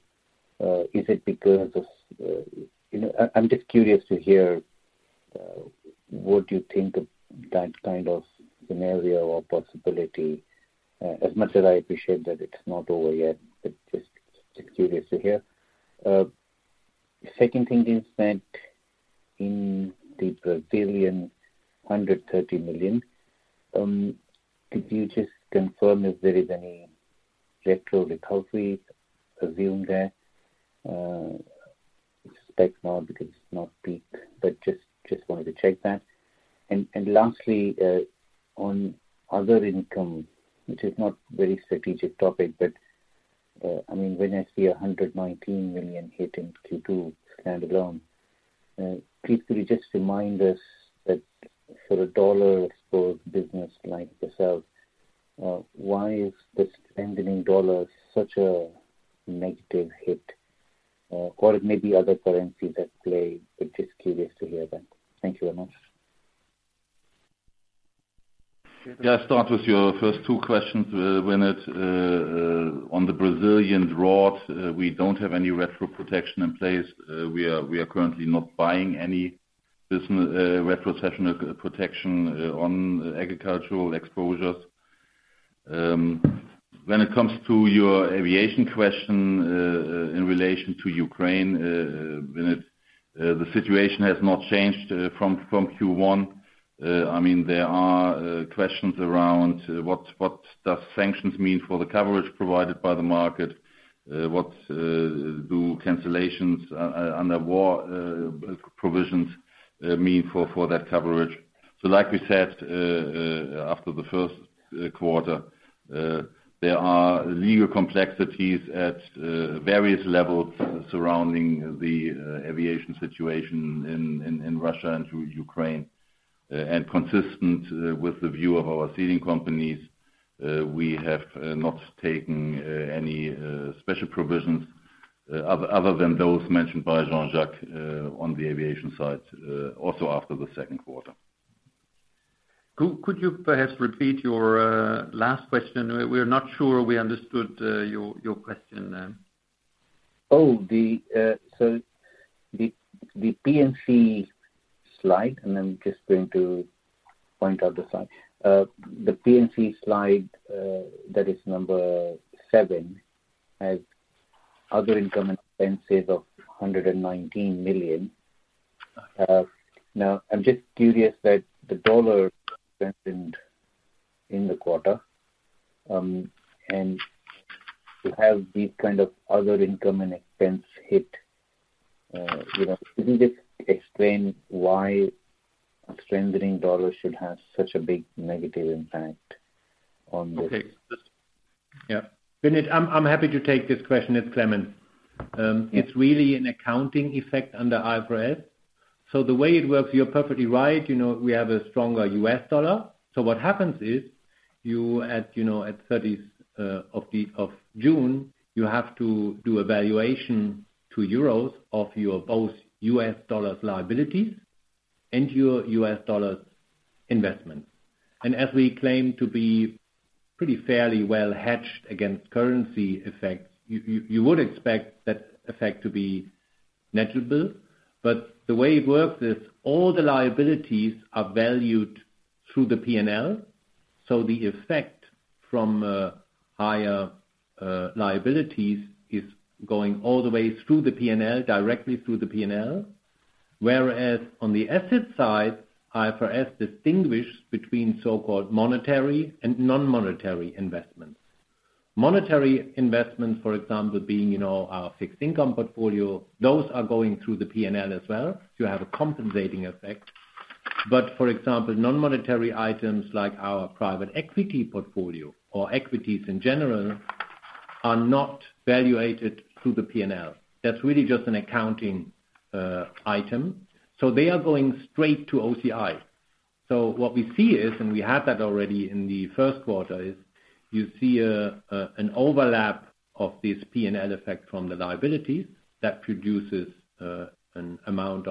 [SPEAKER 9] is it because of. You know, I'm just curious to hear what you think of that kind of scenario or possibility, as much as I appreciate that it's not over yet, but just curious to hear. Second thing is that in the Brazilian 130 million, could you just confirm if there is any retro recoveries assumed there. I suspect not because it's not peak, but just wanted to check that. Last, on other income, which is not very strategic topic, but I mean, when I see 119 million hit in Q2 standalone, please could you just remind us that for a U.S. Dollar-exposed business like yourself, why is the strengthening U.S. dollar such a negative hit? Or it may be other currencies at play. Just curious to hear that. Thank you very much.
[SPEAKER 5] I'll start with your first two questions, Vinit Malhotra. On the Brazilian drought, we don't have any retrocession protection in place. We are currently not buying any retrocession protection on agricultural exposures. When it comes to your aviation question in relation to Ukraine, Vinit Malhotra, the situation has not changed from Q1. I mean, there are questions around what does sanctions mean for the coverage provided by the market. What do cancellations under war provisions mean for that coverage. Like we said after the first quarter, there are legal complexities at various levels surrounding the aviation situation in Russia and through Ukraine. Consistent with the view of our ceding companies, we have not taken any special provisions other than those mentioned by Jean-Jacques on the aviation side also after the second quarter.
[SPEAKER 3] Could you perhaps repeat your last question? We're not sure we understood your question.
[SPEAKER 9] The P&C slide, and I'm just going to point out the slide. The P&C slide, that is number seven, has other income and expenses of 119 million. Now I'm just curious that the U.S. dollar strengthened in the quarter, and to have these kind of other income and expense hit, you know. Can you just explain why a strengthening U.S. dollar should have such a big negative impact on this?
[SPEAKER 3] Okay.
[SPEAKER 5] Yeah.
[SPEAKER 3] Vinod, I'm happy to take this question. It's Clemens Jungsthöfel. It's really an accounting effect under IFRS. The way it works, you're perfectly right. You know, we have a stronger U.S. dollar. What happens is, you know, at the 30th of June, you have to do a valuation to euros of your both U.S. dollars liabilities and your U.S. dollars investment. And as we claim to be pretty fairly well hedged against currency effects, you would expect that effect to be negligible. But the way it works is all the liabilities are valued through the P&L, so the effect from higher liabilities is going all the way through the P&L, directly through the P&L. Whereas on the asset side, IFRS distinguish between so-called monetary and non-monetary investments. Monetary investments, for example, you know, our fixed income portfolio, those are going through the P&L as well to have a compensating effect. But for example, non-monetary items like our private equity portfolio or equities in general are not valuated through the P&L. That's really just an accounting item. So they are going straight to OCI. What we see is, and we have that already in the first quarter, is you see an overlap of this P&L effect from the liabilities that produces an amount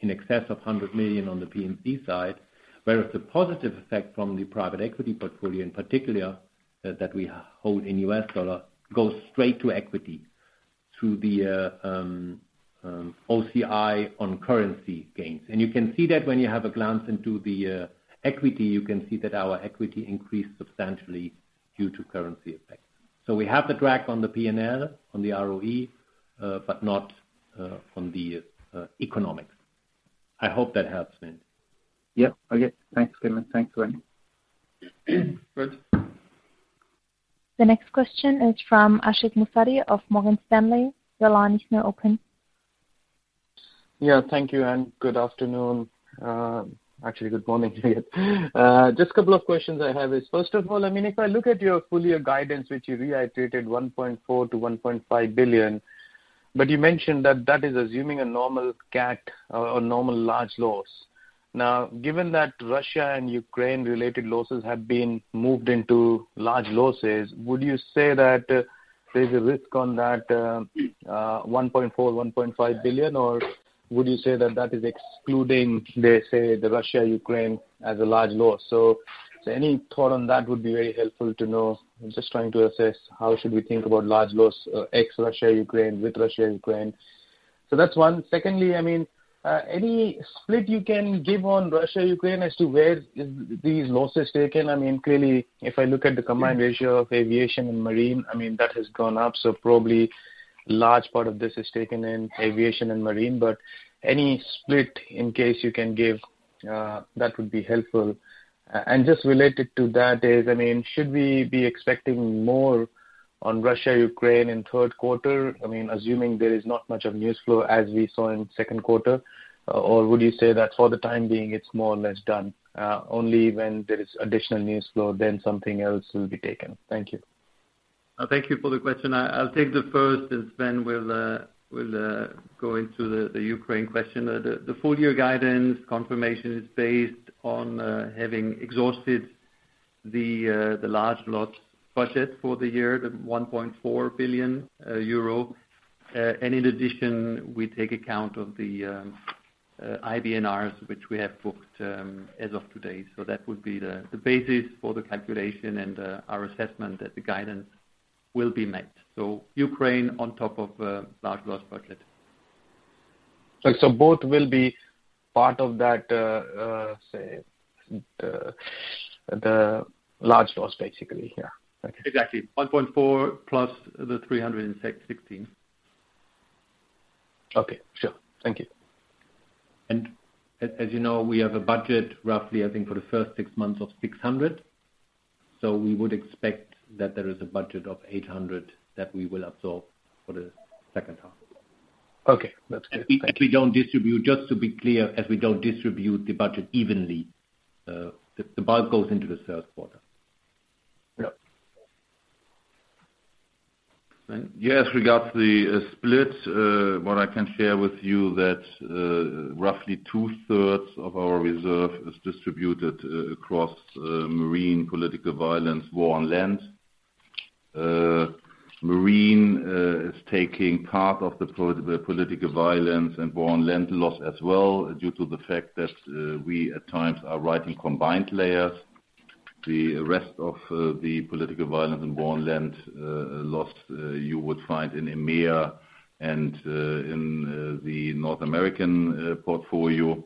[SPEAKER 3] in excess of 100 million on the P&L side. Whereas the positive effect from the private equity portfolio in particular, that we hold in U.S. dollar, goes straight to equity through the OCI on currency gains. You can see that when you have a glance into the equity. You can see that our equity increased substantially due to currency effects. We have the drag on the P&L on the ROE, but not on the economics. I hope that helps, Sven.
[SPEAKER 9] Yeah. Okay. Thanks, Clemens. Thanks, Sven.
[SPEAKER 3] Yeah.
[SPEAKER 5] Good.
[SPEAKER 1] The next question is from Ashik Musaddi of Morgan Stanley. Your line is now open.
[SPEAKER 10] Yeah. Thank you, and good afternoon. Actually, good morning to you. Just a couple of questions I have is, first of all, I mean, if I look at your full year guidance, which you reiterated 1.4 billion-1.5 billion, but you mentioned that that is assuming a normal CAT or normal large loss. Now, given that Russia and Ukraine related losses have been moved into large losses, would you say that there's a risk on that, one point four, one point five billion? Or would you say that that is excluding, let's say, the Russia-Ukraine as a large loss? Any thought on that would be very helpful to know. I'm just trying to assess how should we think about large loss, ex Russia, Ukraine with Russia and Ukraine. That's one. Secondly, I mean, any split you can give on Russia-Ukraine as to where are these losses taken? I mean, clearly, if I look at the combined ratio of aviation and marine, I mean, that has gone up. Probably large part of this is taken in aviation and marine, but any split, in case you can give, that would be helpful. Just related to that is, I mean, should we be expecting more on Russia-Ukraine in third quarter? I mean, assuming there is not much of news flow as we saw in second quarter. Would you say that for the time being it's more or less done, only when there is additional news flow, then something else will be taken. Thank you.
[SPEAKER 3] Thank you for the question. I'll take the first and Sven will go into the Ukraine question. The full year guidance confirmation is based on having exhausted the large loss budget for the year, the 1.4 billion euro. In addition, we take account of the IBNRs, which we have booked as of today. That would be the basis for the calculation and our assessment that the guidance will be met. Ukraine on top of large loss budget.
[SPEAKER 10] Both will be part of that, say, the large loss basically, yeah. Okay.
[SPEAKER 3] Exactly. 1.4 plus the 316.
[SPEAKER 10] Okay. Sure. Thank you.
[SPEAKER 3] As you know, we have a budget roughly, I think for the first six months of 600. We would expect that there is a budget of 800 that we will absorb for the second half.
[SPEAKER 10] Okay. That's clear. Thank you.
[SPEAKER 3] As we don't distribute, just to be clear, as we don't distribute the budget evenly, the bulk goes into the first quarter.
[SPEAKER 10] Yeah.
[SPEAKER 5] Sven.
[SPEAKER 3] Yes. Regarding the split, what I can share with you that roughly two-thirds of our reserve is distributed across marine political violence, war on land. Marine is taking part of the political violence and war on land loss as well, due to the fact that we at times are writing combined layers. The rest of the political violence and war on land loss you would find in EMEA and in the North American portfolio.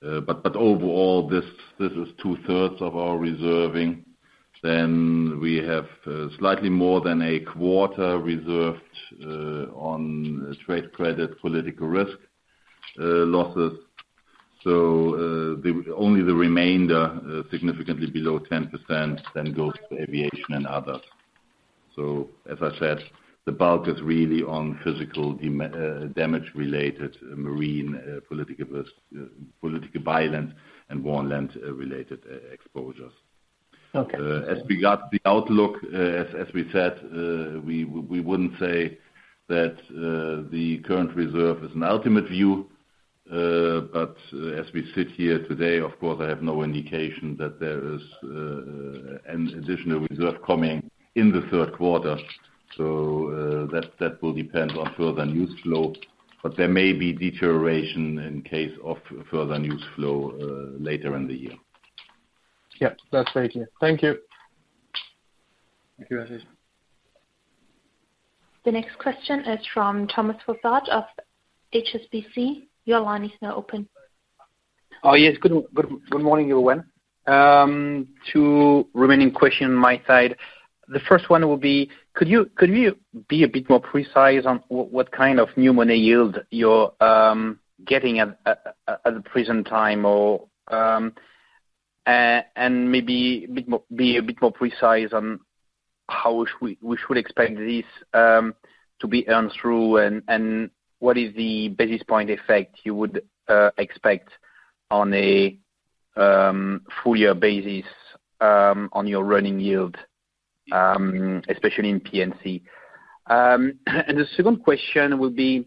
[SPEAKER 3] But overall, this is two-thirds of our reserving. We have slightly more than a quarter reserved on trade credit, political risk losses. Only the remainder, significantly below 10%, then goes to aviation and others. As I said, the bulk is really on physical damage-related marine, political violence and war and land-related exposures.
[SPEAKER 10] Okay.
[SPEAKER 5] As regards the outlook, as we said, we wouldn't say that the current reserve is an ultimate view. As we sit here today, of course, I have no indication that there is an additional reserve coming in the third quarter.
[SPEAKER 3] That will depend on further news flow, but there may be deterioration in case of further news flow later in the year.
[SPEAKER 10] Yeah. That's very clear. Thank you.
[SPEAKER 3] Thank you.
[SPEAKER 1] The next question is from Thomas Fossard of HSBC. Your line is now open.
[SPEAKER 11] Oh, yes. Good morning everyone. Two remaining question my side. The first one will be: could you be a bit more precise on what kind of new money yield you're getting at the present time or and be a bit more precise on how we should expect this to be earned through and what is the basis point effect you would expect on a full year basis on your running yield especially in P&C? The second question would be,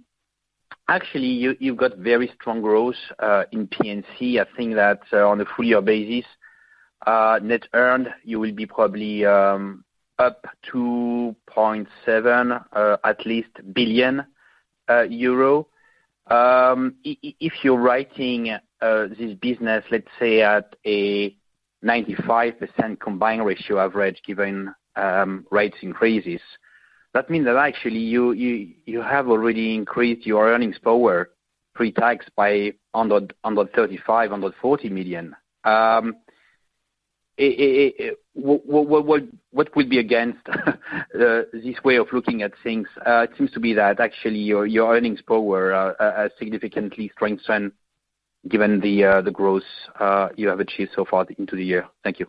[SPEAKER 11] actually, you've got very strong growth in P&C. I think that on a full year basis, net earned, you will be probably up 2.7 billion at least. If you're writing this business, let's say at a 95% combined ratio average given rate increases, that means that actually you have already increased your earnings power pre-tax by under 35 million, under 40 million. What would be against this way of looking at things? It seems that actually your earnings power has significantly strengthened given the growth you have achieved so far into the year. Thank you.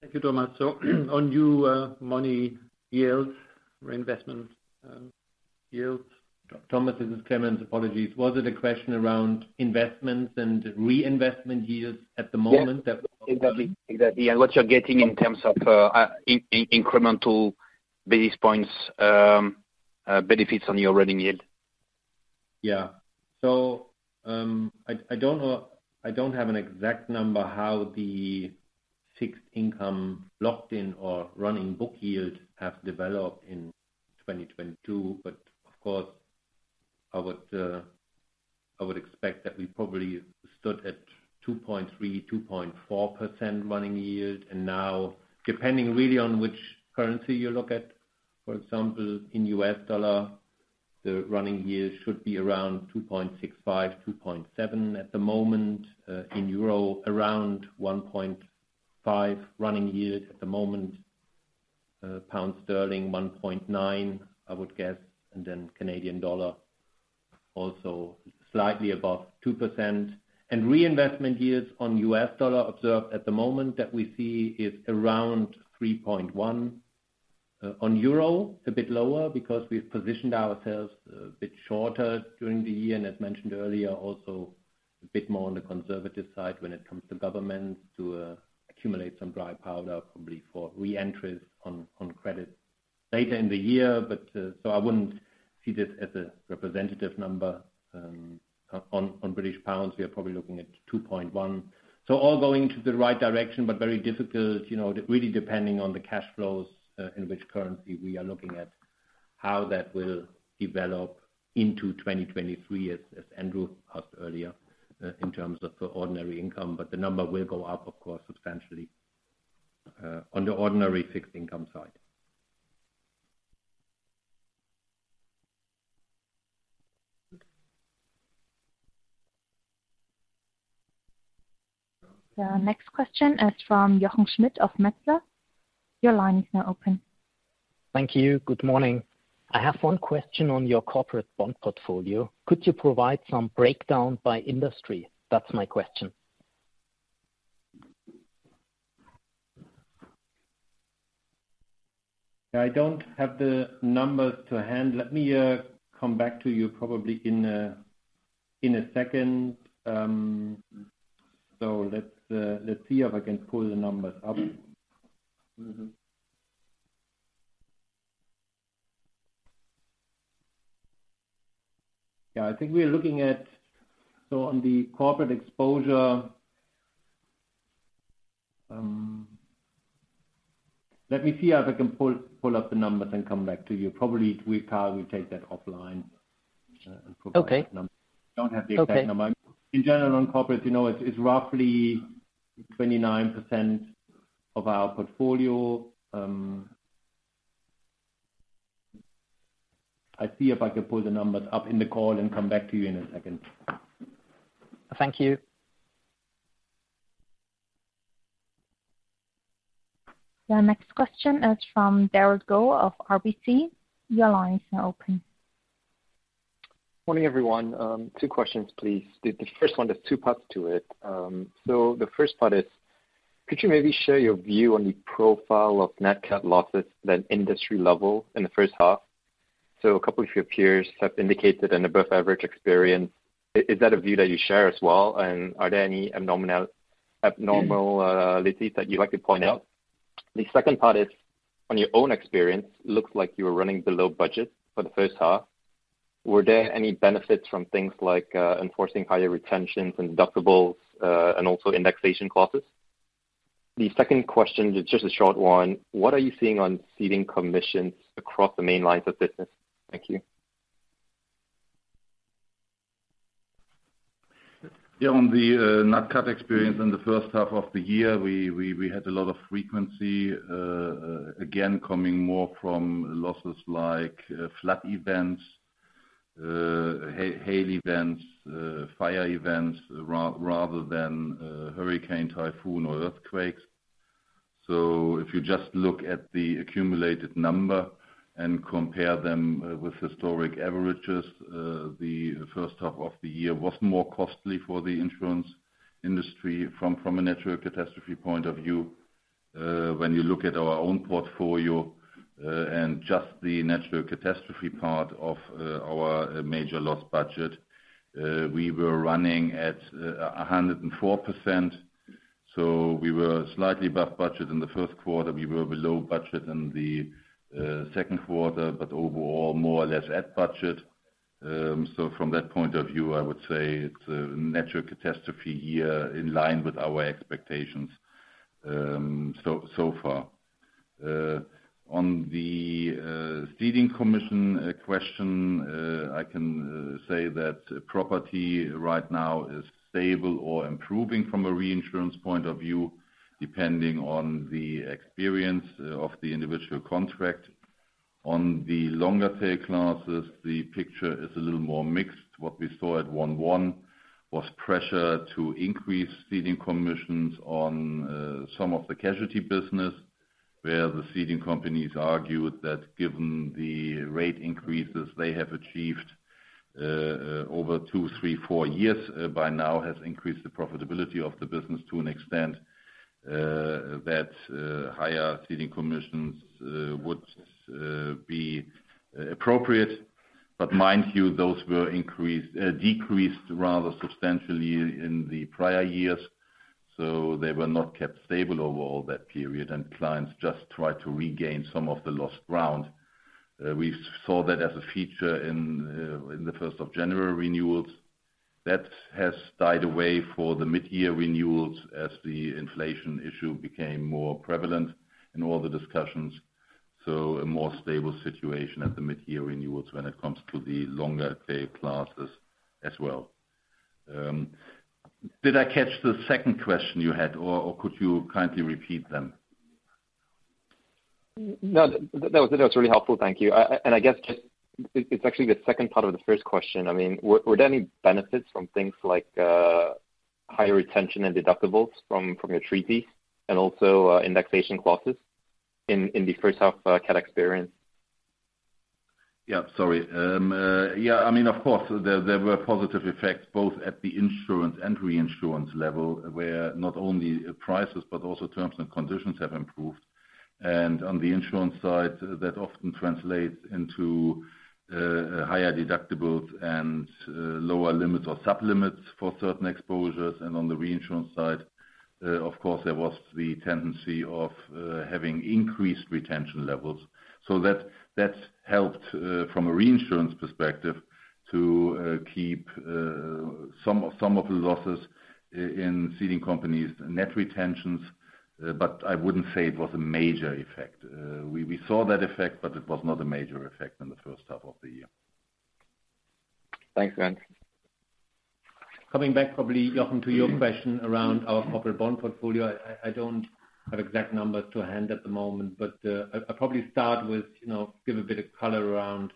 [SPEAKER 3] Thank you, Thomas. On new money yields, reinvestment yields. Thomas, this is Clemens. Apologies. Was it a question around investments and reinvestment yields at the moment?
[SPEAKER 11] Yes. Exactly. What you're getting in terms of incremental basis points benefits on your running yield.
[SPEAKER 3] I don't have an exact number how the fixed income locked in or running book yield have developed in 2022. Of course, I would expect that we probably stood at 2.3%-2.4% running yield. Now, depending really on which currency you look at, for example, in U.S. dollar, the running yield should be around 2.65-2.7% at the moment. In euro around 1.5% running yield at the moment. Pound sterling 1.9%, I would guess. Canadian dollar also slightly above 2%. Reinvestment yields on U.S. dollar observed at the moment that we see is around 3.1%. On euro, it's a bit lower because we've positioned ourselves a bit shorter during the year, and as mentioned earlier, also a bit more on the conservative side when it comes to governments to accumulate some dry powder, probably for re-entries on credit later in the year. I wouldn't see this as a representative number. On British pounds, we are probably looking at 2.1%. All going to the right direction, but very difficult, you know, really depending on the cash flows in which currency we are looking at, how that will develop into 2023, as Andrew asked earlier, in terms of the ordinary income. The number will go up, of course, substantially, on the ordinary fixed income side.
[SPEAKER 1] The next question is from Jochen Schmitt of Metzler. Your line is now open.
[SPEAKER 12] Thank you. Good morning. I have one question on your corporate bond portfolio. Could you provide some breakdown by industry? That's my question.
[SPEAKER 3] I don't have the numbers to hand. Let me come back to you probably in a second. Let's see if I can pull the numbers up. Yeah. I think we are looking at. On the corporate exposure, let me see if I can pull up the numbers and come back to you. Probably, we take that offline and provide.
[SPEAKER 12] Okay.
[SPEAKER 3] Don't have the exact number.
[SPEAKER 12] Okay.
[SPEAKER 3] In general, on corporate, you know, it's roughly 29% of our portfolio. I see if I can pull the numbers up in the call and come back to you in a second.
[SPEAKER 12] Thank you.
[SPEAKER 1] The next question is from Derald Goh of RBC. Your line is now open.
[SPEAKER 13] Morning, everyone. Two questions, please. The first one, there's two parts to it. So the first part is: could you maybe share your view on the profile of net cat losses at an industry level in the first half? So a couple of your peers have indicated an above average experience. Is that a view that you share as well? And are there any abnormal liabilities that you'd like to point out? The second part is, on your own experience, looks like you were running below budget for the first half. Were there any benefits from things like enforcing higher retentions and deductibles, and also indexation clauses? The second question is just a short one. What are you seeing on ceding commissions across the main lines of business? Thank you.
[SPEAKER 5] Yeah, on the nat cat experience in the first half of the year, we had a lot of frequency again, coming more from losses like flood events, hail events, fire events rather than hurricane, typhoon or earthquakes. If you just look at the accumulated number and compare them with historic averages, the first half of the year was more costly for the insurance industry from a natural catastrophe point of view. When you look at our own portfolio and just the natural catastrophe part of our major loss budget, we were running at 104%, so we were slightly above budget in the first quarter. We were below budget in the second quarter, but overall more or less at budget. From that point of view, I would say it's a natural catastrophe year in line with our expectations so far. On the ceding commissions question, I can say that property right now is stable or improving from a reinsurance point of view, depending on the experience of the individual contract. On the longer tail classes, the picture is a little more mixed. What we saw at 1/1 was pressure to increase ceding commissions on some of the casualty business, where the ceding companies argued that given the rate increases they have achieved over two, three, four years by now has increased the profitability of the business to an extent that higher ceding commissions would be appropriate. Mind you, those were decreased rather substantially in the prior years. They were not kept stable over all that period, and clients just tried to regain some of the lost ground. We saw that as a feature in the first of January renewals. That has died away for the mid-year renewals as the inflation issue became more prevalent in all the discussions. A more stable situation at the mid-year renewals when it comes to the longer tail classes as well. Did I catch the second question you had, or could you kindly repeat them?
[SPEAKER 13] No, that was really helpful. Thank you. I guess just, it's actually the second part of the first question. I mean, were there any benefits from things like higher retention and deductibles from your treaty and also indexation clauses in the first half cat experience?
[SPEAKER 5] Yeah, sorry. Yeah, I mean, of course, there were positive effects both at the insurance and reinsurance level, where not only prices, but also terms and conditions have improved. On the insurance side, that often translates into higher deductibles and lower limits or sub-limits for certain exposures. On the reinsurance side, of course, there was the tendency of having increased retention levels. That, that's helped from a reinsurance perspective to keep some of the losses in ceding companies' net retentions. But I wouldn't say it was a major effect. We saw that effect, but it was not a major effect in the first half of the year.
[SPEAKER 13] Thanks, Sven.
[SPEAKER 3] Coming back probably, Jochen, to your question around our corporate bond portfolio. I don't have exact numbers to hand at the moment, but I'll probably start with, you know, give a bit of color around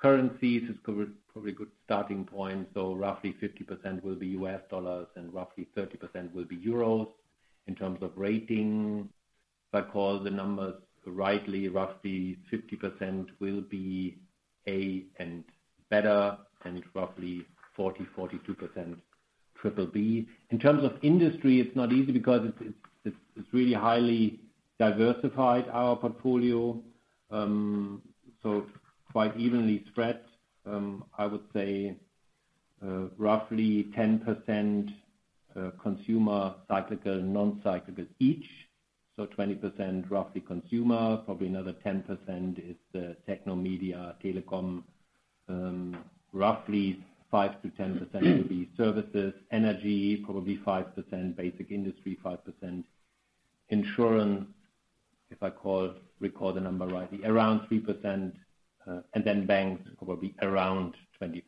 [SPEAKER 3] currencies. It's probably a good starting point. Roughly 50% will be U.S. dollars and roughly 30% will be euros. In terms of rating, if I recall the numbers rightly, roughly 50% will be A and better, and roughly 42% BBB. In terms of industry, it's not easy because it's really highly diversified, our portfolio. Quite evenly spread. I would say roughly 10%, consumer cyclical, non-cyclical each. 20% roughly consumer, probably another 10% is technology, media, telecom. Roughly 5%-10% will be services. Energy, probably 5%. Basic industry, 5%. Insurance, if I recall the number rightly, around 3%. Banks, probably around 25%.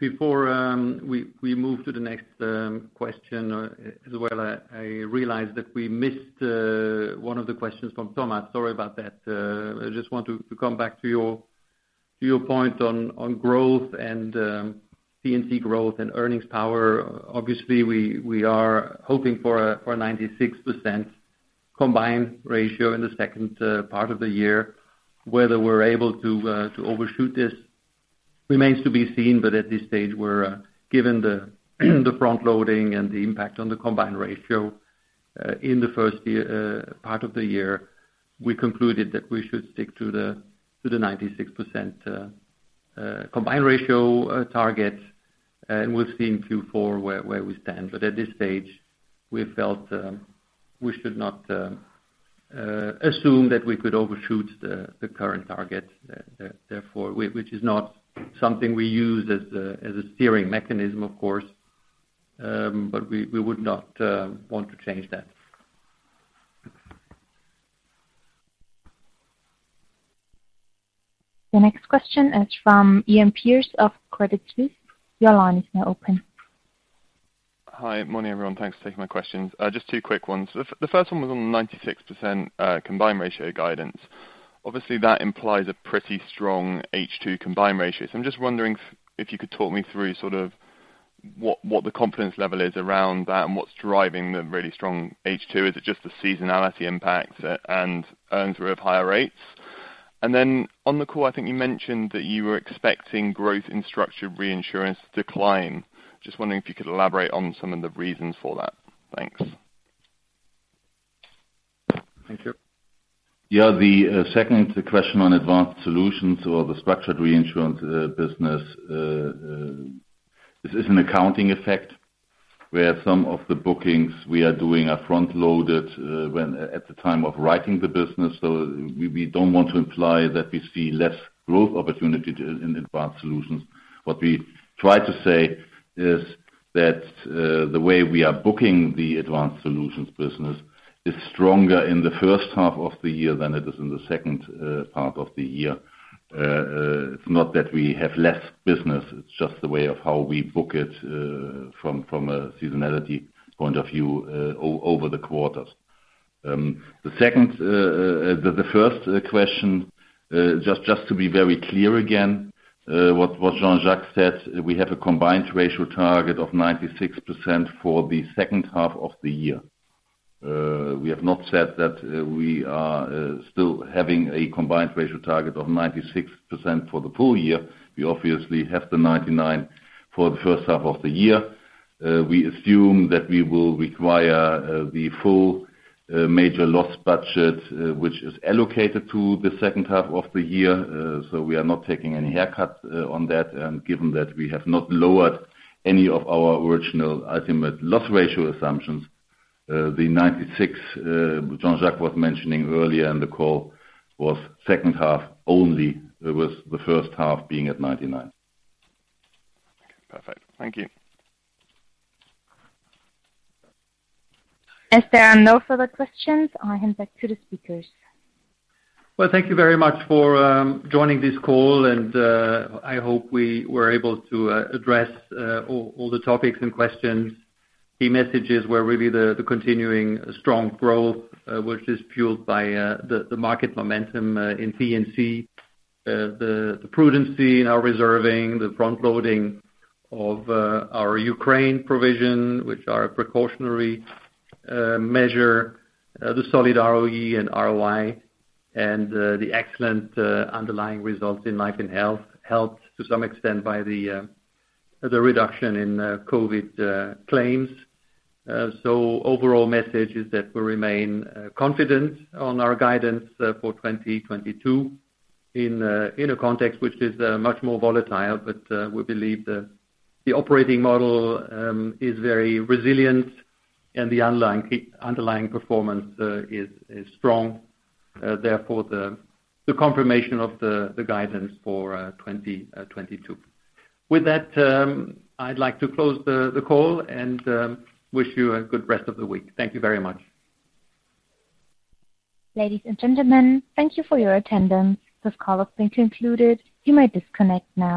[SPEAKER 5] Before we move to the next question as well, I realize that we missed one of the questions from Thomas. Sorry about that. I just want to come back to your point on growth and P&C growth and earnings power. Obviously, we are hoping for a 96% combined ratio in the second half of the year. Whether we're able to overshoot this remains to be seen. At this stage, given the front loading and the impact on the combined ratio in the first half of the year, we concluded that we should stick to the 96% combined ratio target. We'll see in Q4 where we stand. At this stage, we felt we should not assume that we could overshoot the current target. Which is not something we use as a steering mechanism, of course, but we would not want to change that.
[SPEAKER 1] The next question is from Iain Pearce of Credit Suisse. Your line is now open.
[SPEAKER 14] Hi. Morning, everyone. Thanks for taking my questions. Just two quick ones. The first one was on the 96% combined ratio guidance. Obviously, that implies a pretty strong H2 combined ratio. I'm just wondering if you could talk me through sort of what the confidence level is around that and what's driving the really strong H2. Is it just the seasonality impact and earnings from higher rates? Then on the call, I think you mentioned that you were expecting growth in structured reinsurance to decline. Just wondering if you could elaborate on some of the reasons for that. Thanks.
[SPEAKER 3] Thank you.
[SPEAKER 5] Yeah. The second question on Advanced Solutions or the structured reinsurance business. This is an accounting effect where some of the bookings we are doing are front-loaded when at the time of writing the business. We don't want to imply that we see less growth opportunity in Advanced Solutions. What we try to say is that the way we are booking the Advanced Solutions business is stronger in the first half of the year than it is in the second part of the year. It's not that we have less business, it's just the way of how we book it from a seasonality point of view over the quarters. The first question, just to be very clear again, what Jean-Jacques said, we have a combined ratio target of 96% for the second half of the year. We have not said that we are still having a combined ratio target of 96% for the full year. We obviously have the 99 for the first half of the year. We assume that we will require the full major loss budget, which is allocated to the second half of the year. We are not taking any haircuts on that. Given that we have not lowered any of our original ultimate loss ratio assumptions, the 96% Jean-Jacques was mentioning earlier in the call was second half only. It was the first half being at 99.
[SPEAKER 14] Okay. Perfect. Thank you.
[SPEAKER 1] As there are no further questions, I hand back to the speakers.
[SPEAKER 2] Well, thank you very much for joining this call, and I hope we were able to address all the topics and questions. The messages were really the continuing strong growth, which is fueled by the market momentum in P&C. The prudence in our reserving, the front loading of our Ukraine provision, which are a precautionary measure. The solid ROE and ROI and the excellent underlying results in life and health, helped to some extent by the reduction in COVID claims. Overall message is that we remain confident on our guidance for 2022 in a context which is much more volatile. We believe the operating model is very resilient and the underlying performance is strong, therefore the confirmation of the guidance for 2022. With that, I'd like to close the call and wish you a good rest of the week. Thank you very much.
[SPEAKER 1] Ladies and gentlemen, thank you for your attendance. This call has been concluded. You may disconnect now.